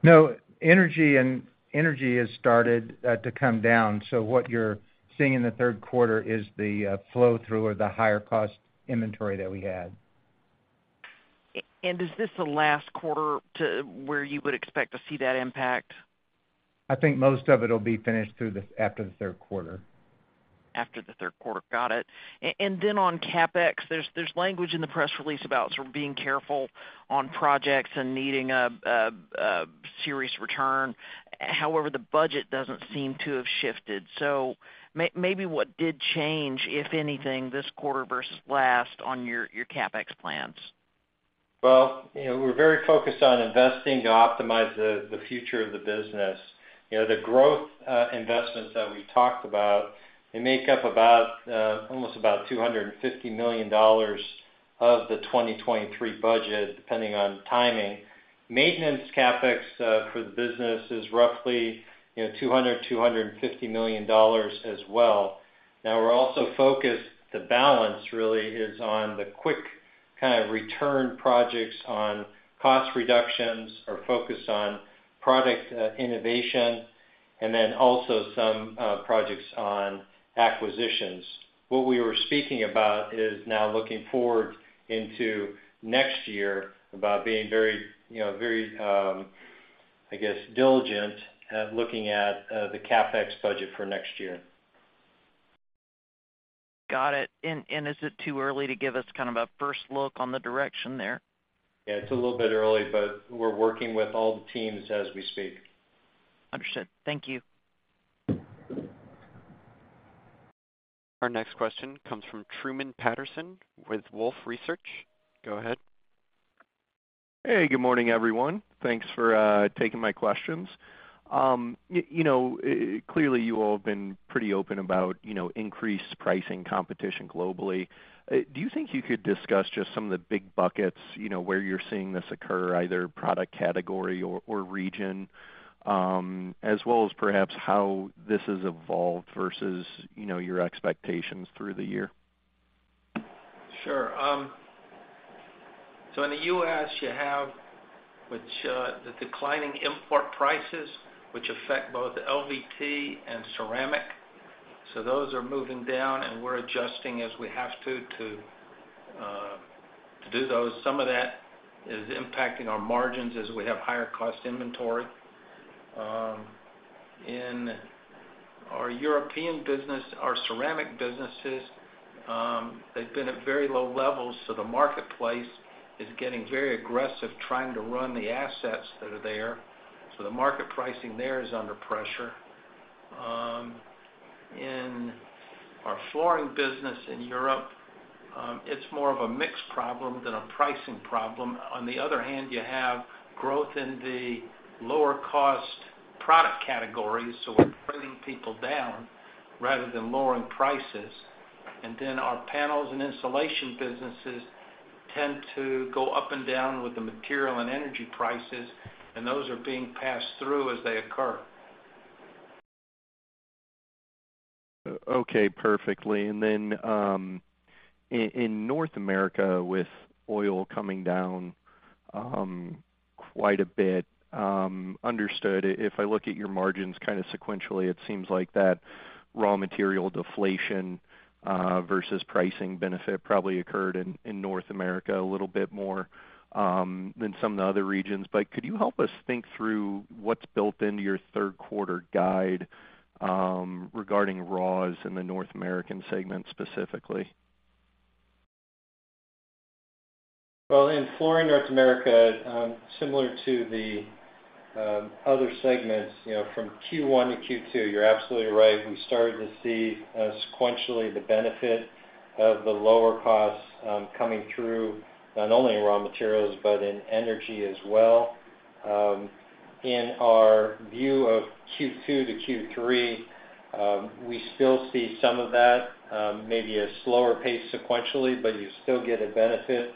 No, energy and- energy has started to come down. What you're seeing in the third quarter is the flow-through or the higher cost inventory that we had. Is this the last quarter to where you would expect to see that impact? I think most of it will be finished through this, after the third quarter. After the third quarter. Got it. Then on CapEx, there's, there's language in the press release about sort of being careful on projects and needing a, a, a serious return. However, the budget doesn't seem to have shifted. Maybe what did change, if anything, this quarter versus last on your, your CapEx plans? Well, you know, we're very focused on investing to optimize the, the future of the business. You know, the growth investments that we talked about, they make up about almost about $250 million of the 2023 budget, depending on timing. Maintenance CapEx for the business is roughly, you know, $200-$250 million as well. We're also focused, the balance really is on the quick kind of return projects on cost reductions or focus on product innovation, and then also some projects on acquisitions. What we were speaking about is now looking forward into next year, about being very, you know, very, I guess, diligent at looking at the CapEx budget for next year. Got it. And is it too early to give us kind of a first look on the direction there? Yeah, it's a little bit early, but we're working with all the teams as we speak. Understood. Thank you. Our next question comes from Truman Patterson with Wolfe Research. Go ahead. Hey, good morning, everyone. Thanks for taking my questions. You know, clearly, you all have been pretty open about, you know, increased pricing competition globally. Do you think you could discuss just some of the big buckets, you know, where you're seeing this occur, either product category or, or region, as well as perhaps how this has evolved versus, you know, your expectations through the year? Sure. In the US, you have, which, the declining import prices, which affect both LVT and ceramic. Those are moving down, and we're adjusting as we have to, to do those. Some of that is impacting our margins as we have higher cost inventory. In our European business, our ceramic businesses, they've been at very low levels, so the marketplace is getting very aggressive trying to run the assets that are there. The market pricing there is under pressure. In our flooring business in Europe, it's more of a mix problem than a pricing problem. On the other hand, you have growth in the lower-cost product categories, so we're bringing people down rather than lowering prices. Then our panels and insulation businesses tend to go up and down with the material and energy prices, and those are being passed through as they occur. Okay, perfectly. In North America, with oil coming down, quite a bit, understood, if I look at your margins kind of sequentially, it seems like that raw material deflation, versus pricing benefit probably occurred in North America a little bit more than some of the other regions. Could you help us think through what's built into your third quarter guide regarding raws in the North American segment, specifically? Well, in Flooring North America, similar to the other segments, you know, from Q1 to Q2, you're absolutely right. We started to see, sequentially, the benefit of the lower costs coming through, not only in raw materials, but in energy as well. In our view of Q2 to Q3, we still see some of that, maybe a slower pace sequentially, but you still get a benefit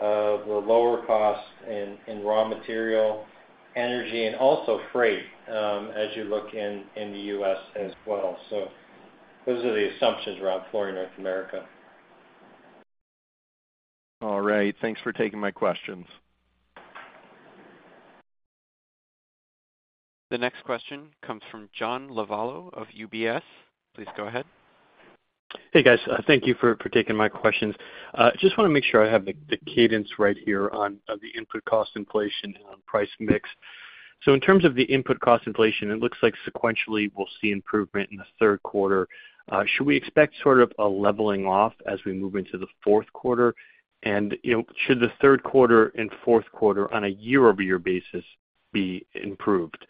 of the lower cost in raw material, energy, and also freight, as you look in the US as well. Those are the assumptions around Flooring North America. All right. Thanks for taking my questions. The next question comes from John Lovallo of UBS. Please go ahead. Hey, guys. Thank you for, for taking my questions. Just wanna make sure I have the, the cadence right here on, of the input cost inflation and on price mix. In terms of the input cost inflation, it looks like sequentially, we'll see improvement in the third quarter. Should we expect sort of a leveling off as we move into the fourth quarter? You know, should the third quarter and fourth quarter, on a year-over-year basis, be improved?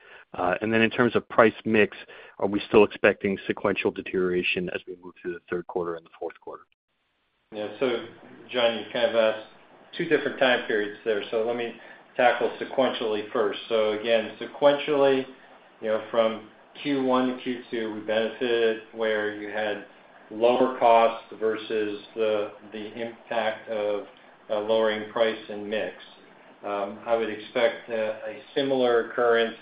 Then in terms of price mix, are we still expecting sequential deterioration as we move through the third quarter and the fourth quarter? Yeah. John, you kind of asked two different time periods there. Let me tackle sequentially first. Again, sequentially, you know, from Q1 to Q2, we benefited where you had lower costs versus the impact of lowering price and mix. I would expect a similar occurrence,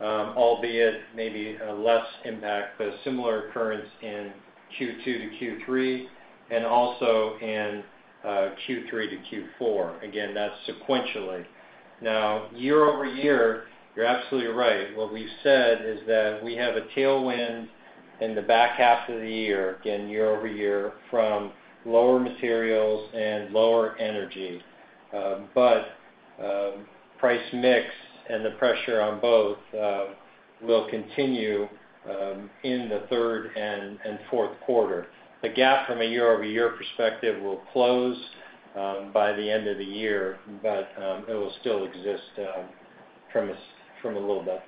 albeit maybe less impact, but a similar occurrence in Q2 to Q3, and also in Q3 to Q4. Again, that's sequentially. Year-over-year, you're absolutely right. What we've said is that we have a tailwind in the back half of the year, again, year-over-year, from lower materials and lower energy. Price mix and the pressure on both will continue in the third and fourth quarter. The gap from a year-over-year perspective will close, by the end of the year, but it will still exist, from a little bit.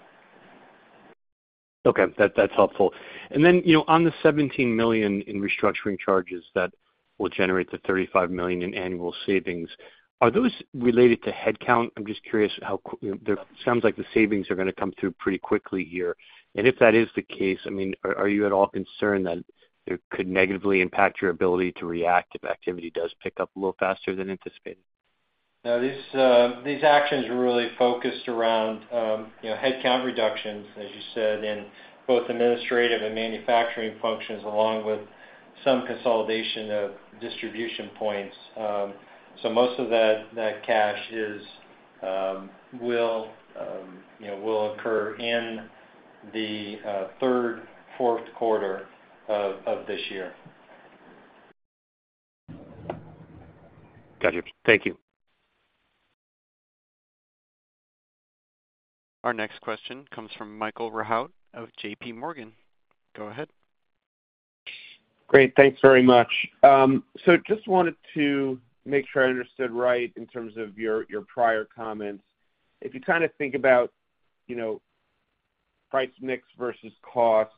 Okay. That, that's helpful. You know, on the $17 million in restructuring charges that will generate the $35 million in annual savings, are those related to headcount? I'm just curious how you know, there it sounds like the savings are gonna come through pretty quickly here. If that is the case, I mean, are, are you at all concerned that it could negatively impact your ability to react if activity does pick up a little faster than anticipated? No, these, these actions are really focused around, you know, headcount reductions, as you said, in both administrative and manufacturing functions, along with some consolidation of distribution points. Most of that, that cash is, will, you know, will occur in the third, fourth quarter of this year. Gotcha. Thank you. Our next question comes from Michael Rehaut of J.P. Morgan. Go ahead. Great. Thanks very much. Just wanted to make sure I understood right in terms of your, your prior comments. If you kind of think about, you know, price mix versus cost,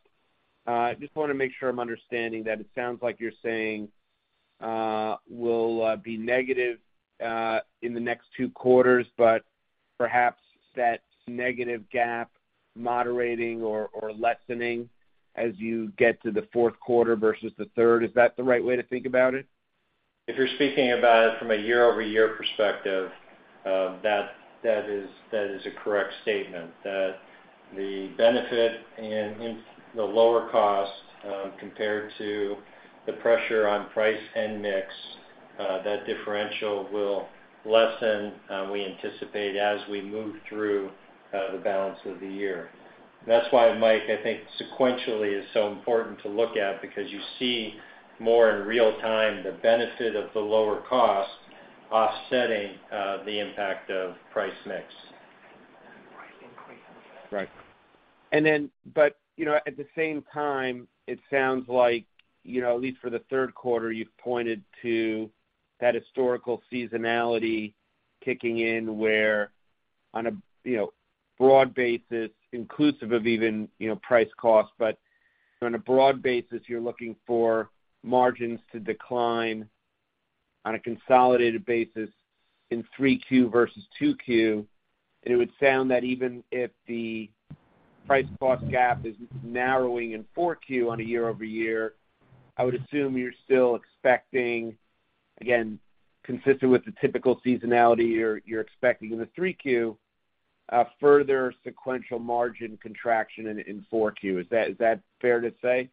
I just wanna make sure I'm understanding that it sounds like you're saying, will be negative, in the next 2 quarters, but perhaps that negative gap moderating or, or lessening as you get to the fourth quarter versus the third. Is that the right way to think about it? If you're speaking about it from a year-over-year perspective, that, that is, that is a correct statement, that the benefit in, in the lower cost, compared to the pressure on price and mix, that differential will lessen, we anticipate, as we move through the balance of the year. That's why, Mike, I think sequentially is so important to look at because you see more in real time, the benefit of the lower cost offsetting, the impact of price mix. Right. Then, but, you know, at the same time, it sounds like, you know, at least for the third quarter, you've pointed to that historical seasonality kicking in, where on a, you know, broad basis, inclusive of even, you know, price cost, but on a broad basis, you're looking for margins to decline on a consolidated basis in three Q versus two Q. It would sound that even if the price cost gap is narrowing in four Q on a year-over-year, I would assume you're still expecting, again, consistent with the typical seasonality, you're, you're expecting in a three Q, a further sequential margin contraction in, in four Q. Is that, is that fair to say?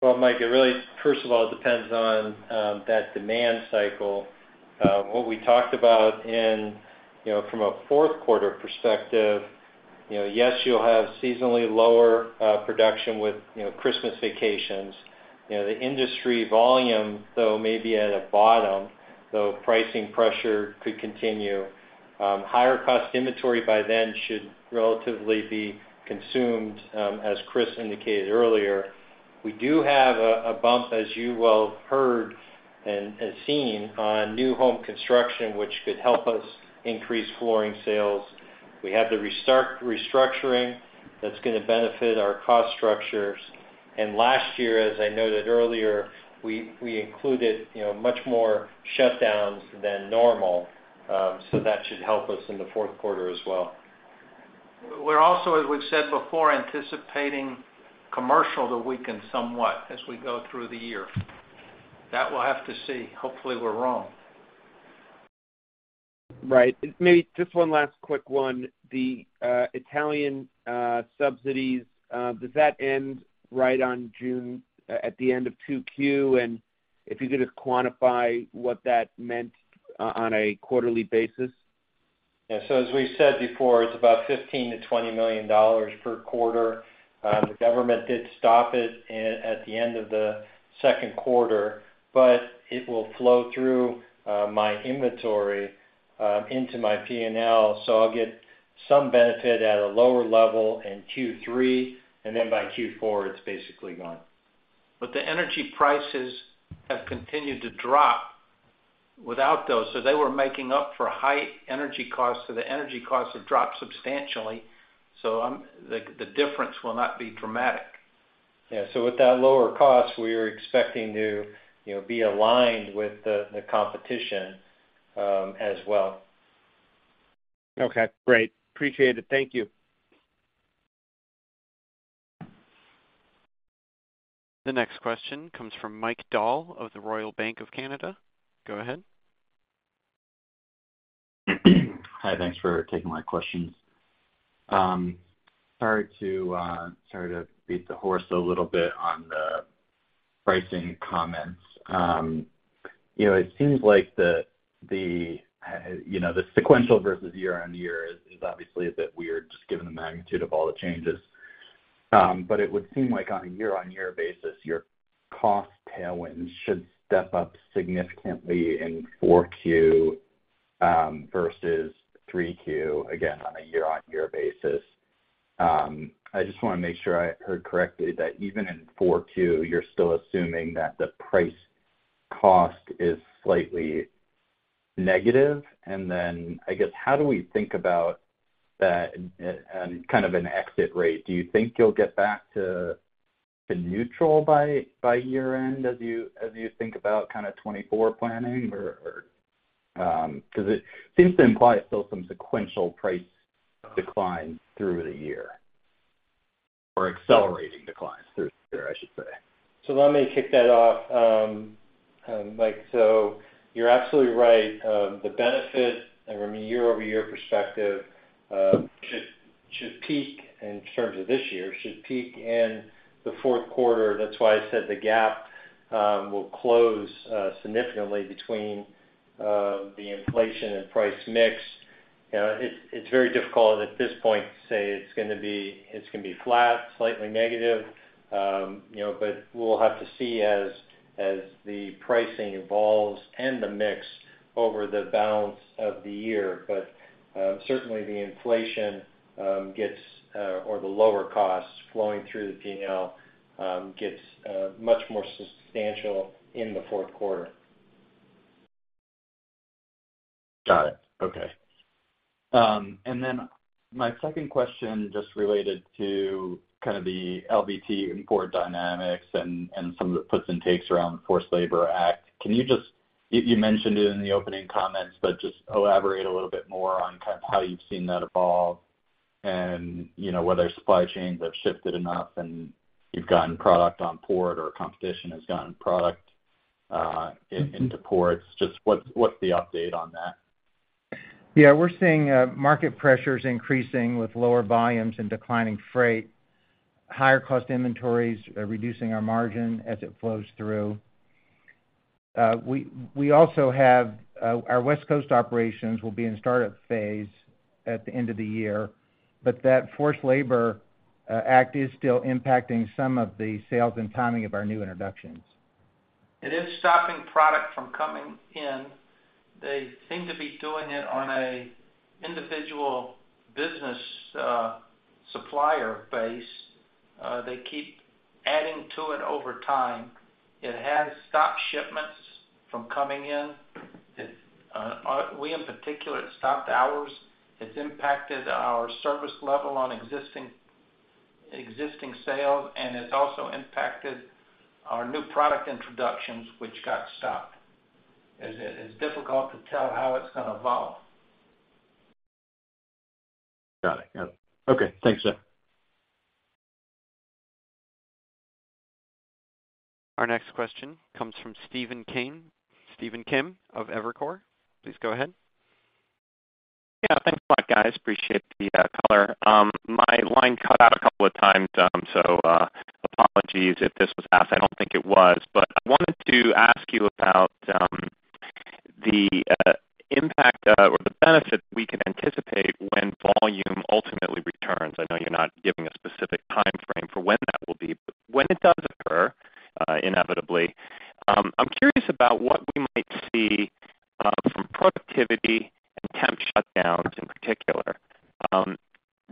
Well, Mike, it really, first of all, depends on that demand cycle. What we talked about in, you know, from a fourth quarter perspective, you know, yes, you'll have seasonally lower production with, you know, Christmas vacations. You know, the industry volume, though, may be at a bottom, so pricing pressure could continue. Higher cost inventory by then should relatively be consumed, as Chris indicated earlier. We do have a bump, as you well heard and seen, on new home construction, which could help us increase flooring sales. We have the restart-restructuring that's gonna benefit our cost structures. Last year, as I noted earlier, we included, you know, much more shutdowns than normal, so that should help us in the fourth quarter as well. We're also, as we've said before, anticipating commercial to weaken somewhat as we go through the year. That we'll have to see. Hopefully, we're wrong. Right. Maybe just one last quick one: The Italian subsidies, does that end right on June at the end of 2Q? If you could just quantify what that meant on a quarterly basis? Yeah, as we said before, it's about $15 million-$20 million per quarter. The government did stop it at the end of the second quarter. It will flow through my inventory into my P&L. I'll get some benefit at a lower level in Q3, and then by Q4, it's basically gone. The energy prices have continued to drop without those. They were making up for high energy costs, so the energy costs have dropped substantially. The difference will not be dramatic. Yeah, with that lower cost, we are expecting to, you know, be aligned with the, the competition, as well. Okay, great. Appreciate it. Thank you. The next question comes from Mike Dahl of the Royal Bank of Canada. Go ahead. Hi, thanks for taking my questions. Sorry to, sorry to beat the horse a little bit on the pricing comments. You know, it seems like the, the, you know, the sequential versus year-on-year is, is obviously a bit weird, just given the magnitude of all the changes. But it would seem like on a year-on-year basis, your cost tailwind should step up significantly in 4Q versus 3Q, again, on a year-on-year basis. I just wanna make sure I heard correctly that even in 4Q, you're still assuming that the price cost is slightly negative. And then, I guess, how do we think about that kind of an exit rate? Do you think you'll get back to, to neutral by, by year-end, as you, as you think about kind of 2024 planning? Or, 'cause it seems to imply still some sequential price decline through the year, or accelerating declines through the year, I should say. Let me kick that off, Mike. You're absolutely right. The benefit from a year-over-year perspective should, should peak, in terms of this year, should peak in the fourth quarter. That's why I said the gap will close significantly between the inflation and price mix. You know, it's, it's very difficult at this point to say it's gonna be, it's gonna be flat, slightly negative. You know, we'll have to see as, as the pricing evolves and the mix over the balance of the year. Certainly, the inflation gets or the lower costs flowing through the PNL gets much more substantial in the fourth quarter. Got it. Okay. My second question, just related to kind of the LVT import dynamics and, and some of the puts and takes around the Forced Labor Act. Can you just-- you mentioned it in the opening comments, but just elaborate a little bit more on kind of how you've seen that evolve and, you know, whether supply chains have shifted enough and you've gotten product on port, or competition has gotten product into ports. Just what's, what's the update on that? Yeah, we're seeing market pressures increasing with lower volumes and declining freight, higher cost inventories, reducing our margin as it flows through. We, we also have our West Coast operations will be in startup phase at the end of the year, but that Forced Labor Act is still impacting some of the sales and timing of our new introductions. It is stopping product from coming in. They seem to be doing it on a individual business, supplier base. They keep adding to it over time. It has stopped shipments from coming in. It, we in particular, it stopped ours. It's impacted our service level on existing, existing sales, and it's also impacted our new product introductions, which got stopped. It, it's difficult to tell how it's gonna evolve. Got it. Got it. Okay. Thanks, sir. Our next question comes from Stephen Kim of Evercore. Please go ahead. Yeah, thanks a lot, guys. Appreciate the color. My line cut out a couple of times, so apologies if this was asked. I don't think it was. I wanted to ask you about the impact or the benefit we can anticipate when volume ultimately returns. I know you're not giving a specific timeframe for when that will be, but when it does occur, inevitably, I'm curious about what we might see from productivity and temp shutdowns, in particular.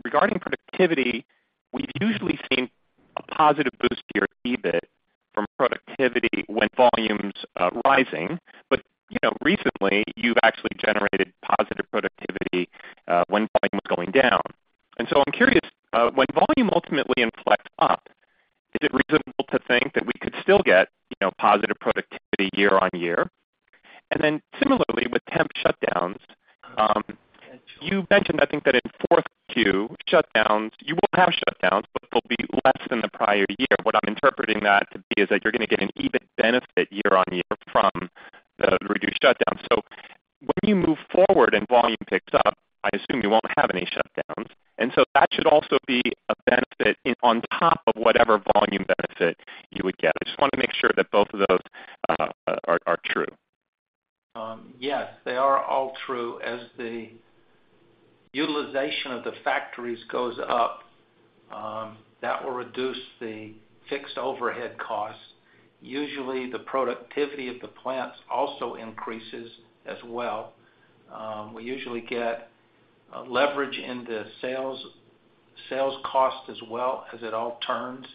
Regarding productivity, we've usually seen a positive boost to your EBIT from productivity when volume's rising. You know, recently, you've actually generated positive productivity when volume was going down. I'm curious, when volume ultimately inflects up, is it reasonable to think that we could still get, you know, positive productivity year-on-year? Similarly, with temp shutdowns, you mentioned, I think that in fourth Q, shutdowns, you will have shutdowns, but they'll be less than the prior year. What I'm interpreting that to be is that you're gonna get an EBIT benefit year-on-year from the reduced shutdowns. When you move forward and volume picks up, I assume you won't have any shutdowns, and so that should also be a benefit in, on top of whatever volume benefit you would get. I just want to make sure that both of those are true. Yes, they are all true. As the utilization of the factories goes up, that will reduce the fixed overhead costs. Usually, the productivity of the plants also increases as well. We usually get leverage in the sales, sales cost as well, as it all turns.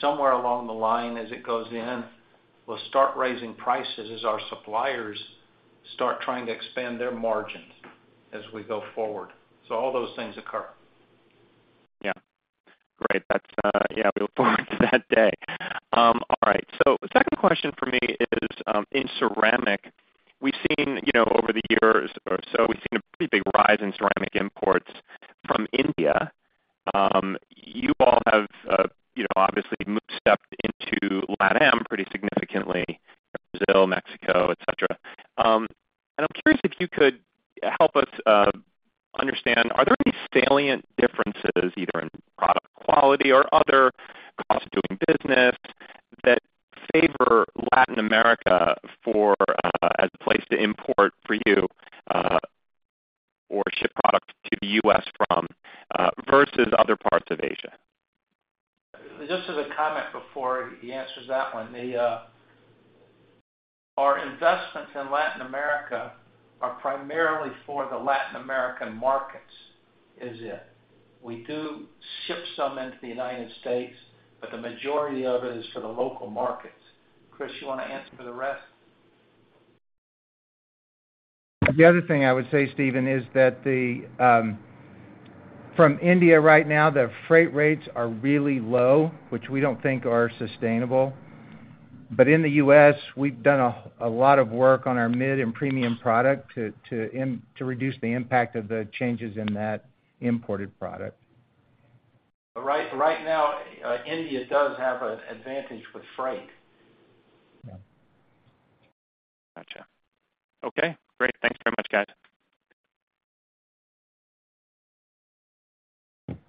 Somewhere along the line, as it goes in, we'll start raising prices as our suppliers start trying to expand their margins as we go forward. All those things occur. Yeah. Great. That's, yeah, we look forward to that day. All right. Second question for me is, in ceramic, we've seen, you know, over the years or so, we've seen a pretty big rise in ceramic imports from India. You all have, you know, obviously moved, stepped into LatAm pretty significantly, Brazil, Mexico, et cetera. And I'm curious if you could help us understand, are there any salient differences, either in product quality or other costs of doing business, that favor Latin America for, as a place to import for you, or ship product to the U.S. from, versus other parts of Asia? Just as a comment before he answers that one, our investments in Latin America are primarily for the Latin American markets, is it. We do ship some into the United States, but the majority of it is for the local markets. Chris, you wanna answer for the rest? The other thing I would say, Stephen, is that the from India right now, the freight rates are really low, which we don't think are sustainable. In the US, we've done a lot of work on our mid and premium product to reduce the impact of the changes in that imported product. Right, right now, India does have an advantage with freight. Yeah. Gotcha. Okay, great. Thanks very much, guys.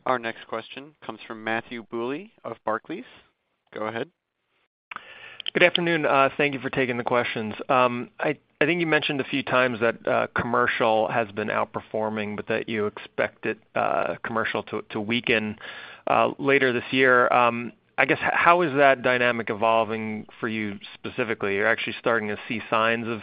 Our next question comes from Matthew Bouley of Barclays. Go ahead. Good afternoon. Thank you for taking the questions. I, I think you mentioned a few times that commercial has been outperforming, but that you expected commercial to, to weaken later this year. I guess, how is that dynamic evolving for you specifically? You're actually starting to see signs of,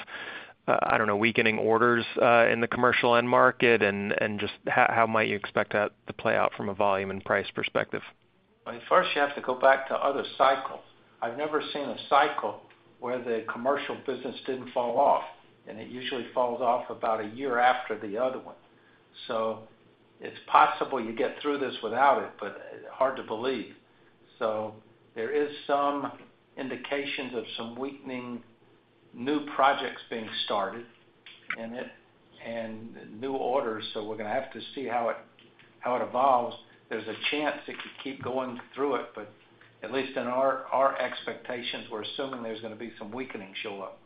I don't know, weakening orders, in the commercial end market, and, and just how, how might you expect that to play out from a volume and price perspective? Well, first, you have to go back to other cycles. I've never seen a cycle where the commercial business didn't fall off, and it usually falls off about a year after the other one. It's possible you get through this without it, but hard to believe. There is some indications of some weakening new projects being started, and new orders, so we're gonna have to see how it, how it evolves. There's a chance it could keep going through it, but at least in our, our expectations, we're assuming there's gonna be some weakening show up.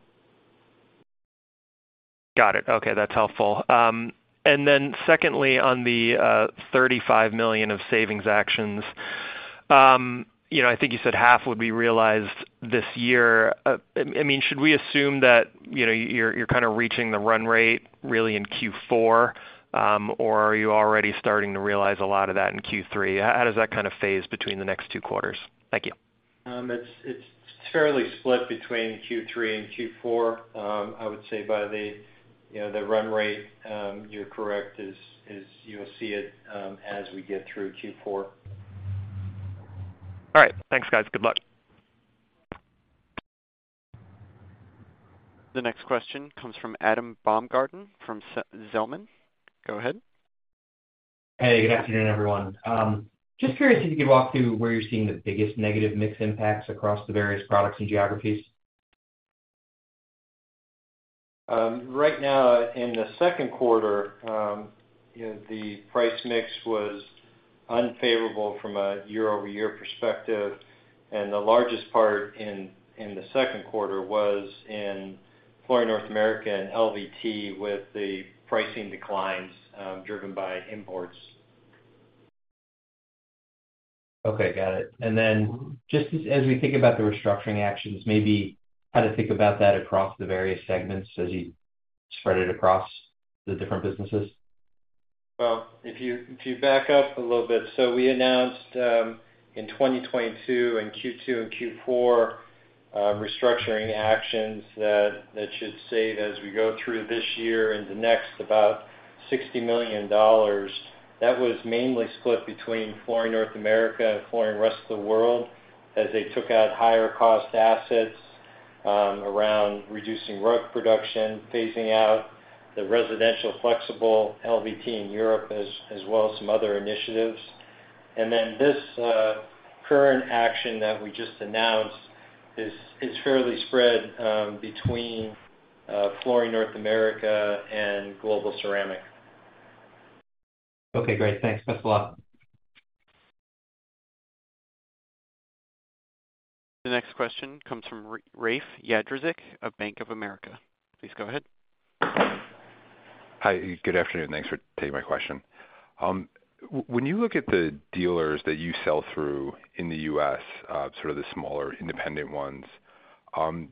Got it. Okay, that's helpful. Secondly, on the $35 million of savings actions, you know, I think you said half would be realized this year. I, I mean, should we assume that, you know, you're, you're kind of reaching the run rate really in Q4, or are you already starting to realize a lot of that in Q3? How, how does that kind of phase between the next two quarters? Thank you. It's, it's fairly split between Q3 and Q4. I would say by the, you know, the run rate, you're correct, is, is you'll see it, as we get through Q4. All right. Thanks, guys. Good luck. The next question comes from Adam Baumgarten from Zelman. Go ahead. Hey, good afternoon, everyone. Just curious if you could walk through where you're seeing the biggest negative mix impacts across the various products and geographies. Right now, in the second quarter, you know, the price mix was unfavorable from a year-over-year perspective, and the largest part in, in the second quarter was in Flooring North America and LVT, with the pricing declines, driven by imports. Okay, got it. Then just as, as we think about the restructuring actions, maybe how to think about that across the various segments as you spread it across the different businesses? If you, if you back up a little bit. We announced in 2022, in Q2 and Q4, restructuring actions that, that should save as we go through this year and the next, about $60 million. That was mainly split between Flooring North America and Flooring Rest of the World, as they took out higher-cost assets, around reducing rug production, phasing out the residential flexible LVT in Europe, as, as well as some other initiatives. This current action that we just announced is, is fairly spread between Flooring North America and Global Ceramic. Okay, great. Thanks. Thanks a lot. The next question comes from Rafe Jadrosich of Bank of America. Please go ahead. Hi, good afternoon. Thanks for taking my question. When you look at the dealers that you sell through in the US, sort of the smaller independent ones,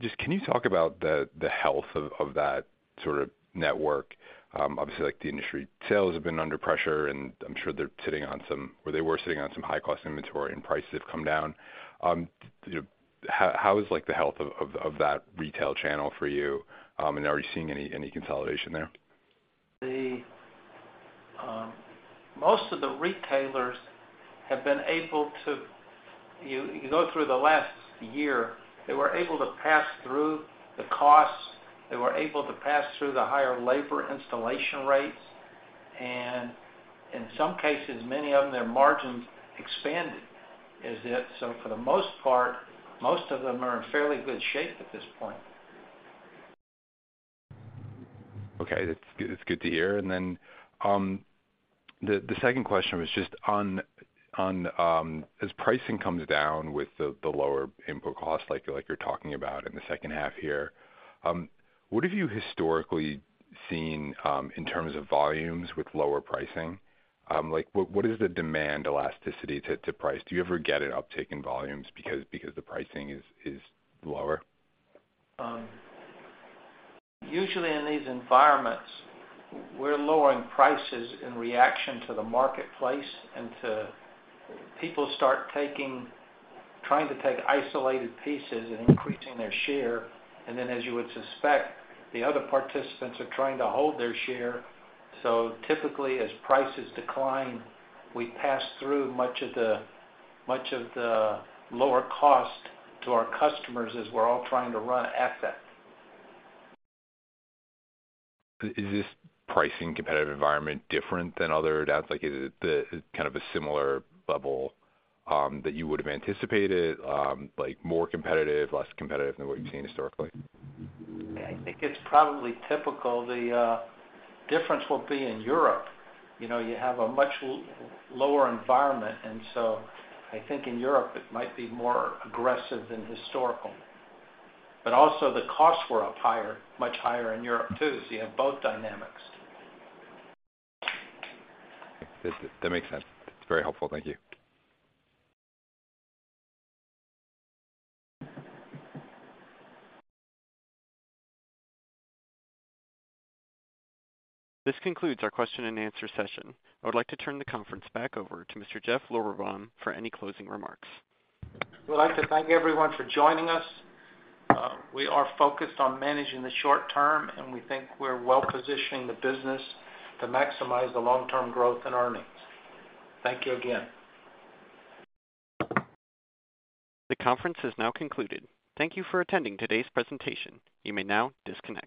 just can you talk about the health of that sort of network? Obviously, like the industry sales have been under pressure, and I'm sure they're sitting on some, or they were sitting on some high-cost inventory and prices have come down. How is like the health of that retail channel for you? Are you seeing any consolidation there? Most of the retailers have been able to, you, you go through the last year, they were able to pass through the costs. They were able to pass through the higher labor installation rates, and in some cases, many of them, their margins expanded. For the most part, most of them are in fairly good shape at this point. Okay, that's good. It's good to hear. The second question was just on as pricing comes down with the lower input costs, like you're talking about in the second half here, what have you historically seen in terms of volumes with lower pricing? Like, what is the demand elasticity to price? Do you ever get an uptick in volumes because the pricing is lower? Usually, in these environments, we're lowering prices in reaction to the marketplace and to. People start taking, trying to take isolated pieces and increasing their share, then, as you would suspect, the other participants are trying to hold their share. Typically, as prices decline, we pass through much of the, much of the lower cost to our customers as we're all trying to run assets. Is this pricing competitive environment different than other doubts? Like, is it the kind of a similar level that you would have anticipated? Like, more competitive, less competitive than what you've seen historically? I think it's probably typical. The difference will be in Europe. You know, you have a much lower environment. I think in Europe it might be more aggressive than historical. Also, the costs were up higher, much higher in Europe, too. You have both dynamics. That makes sense. It's very helpful. Thank you. This concludes our question and answer session. I would like to turn the conference back over to Mr. Jeff Lorberbaum for any closing remarks. We'd like to thank everyone for joining us. We are focused on managing the short term, and we think we're well-positioning the business to maximize the long-term growth and earnings. Thank you again. The conference is now concluded. Thank you for attending today's presentation. You may now disconnect.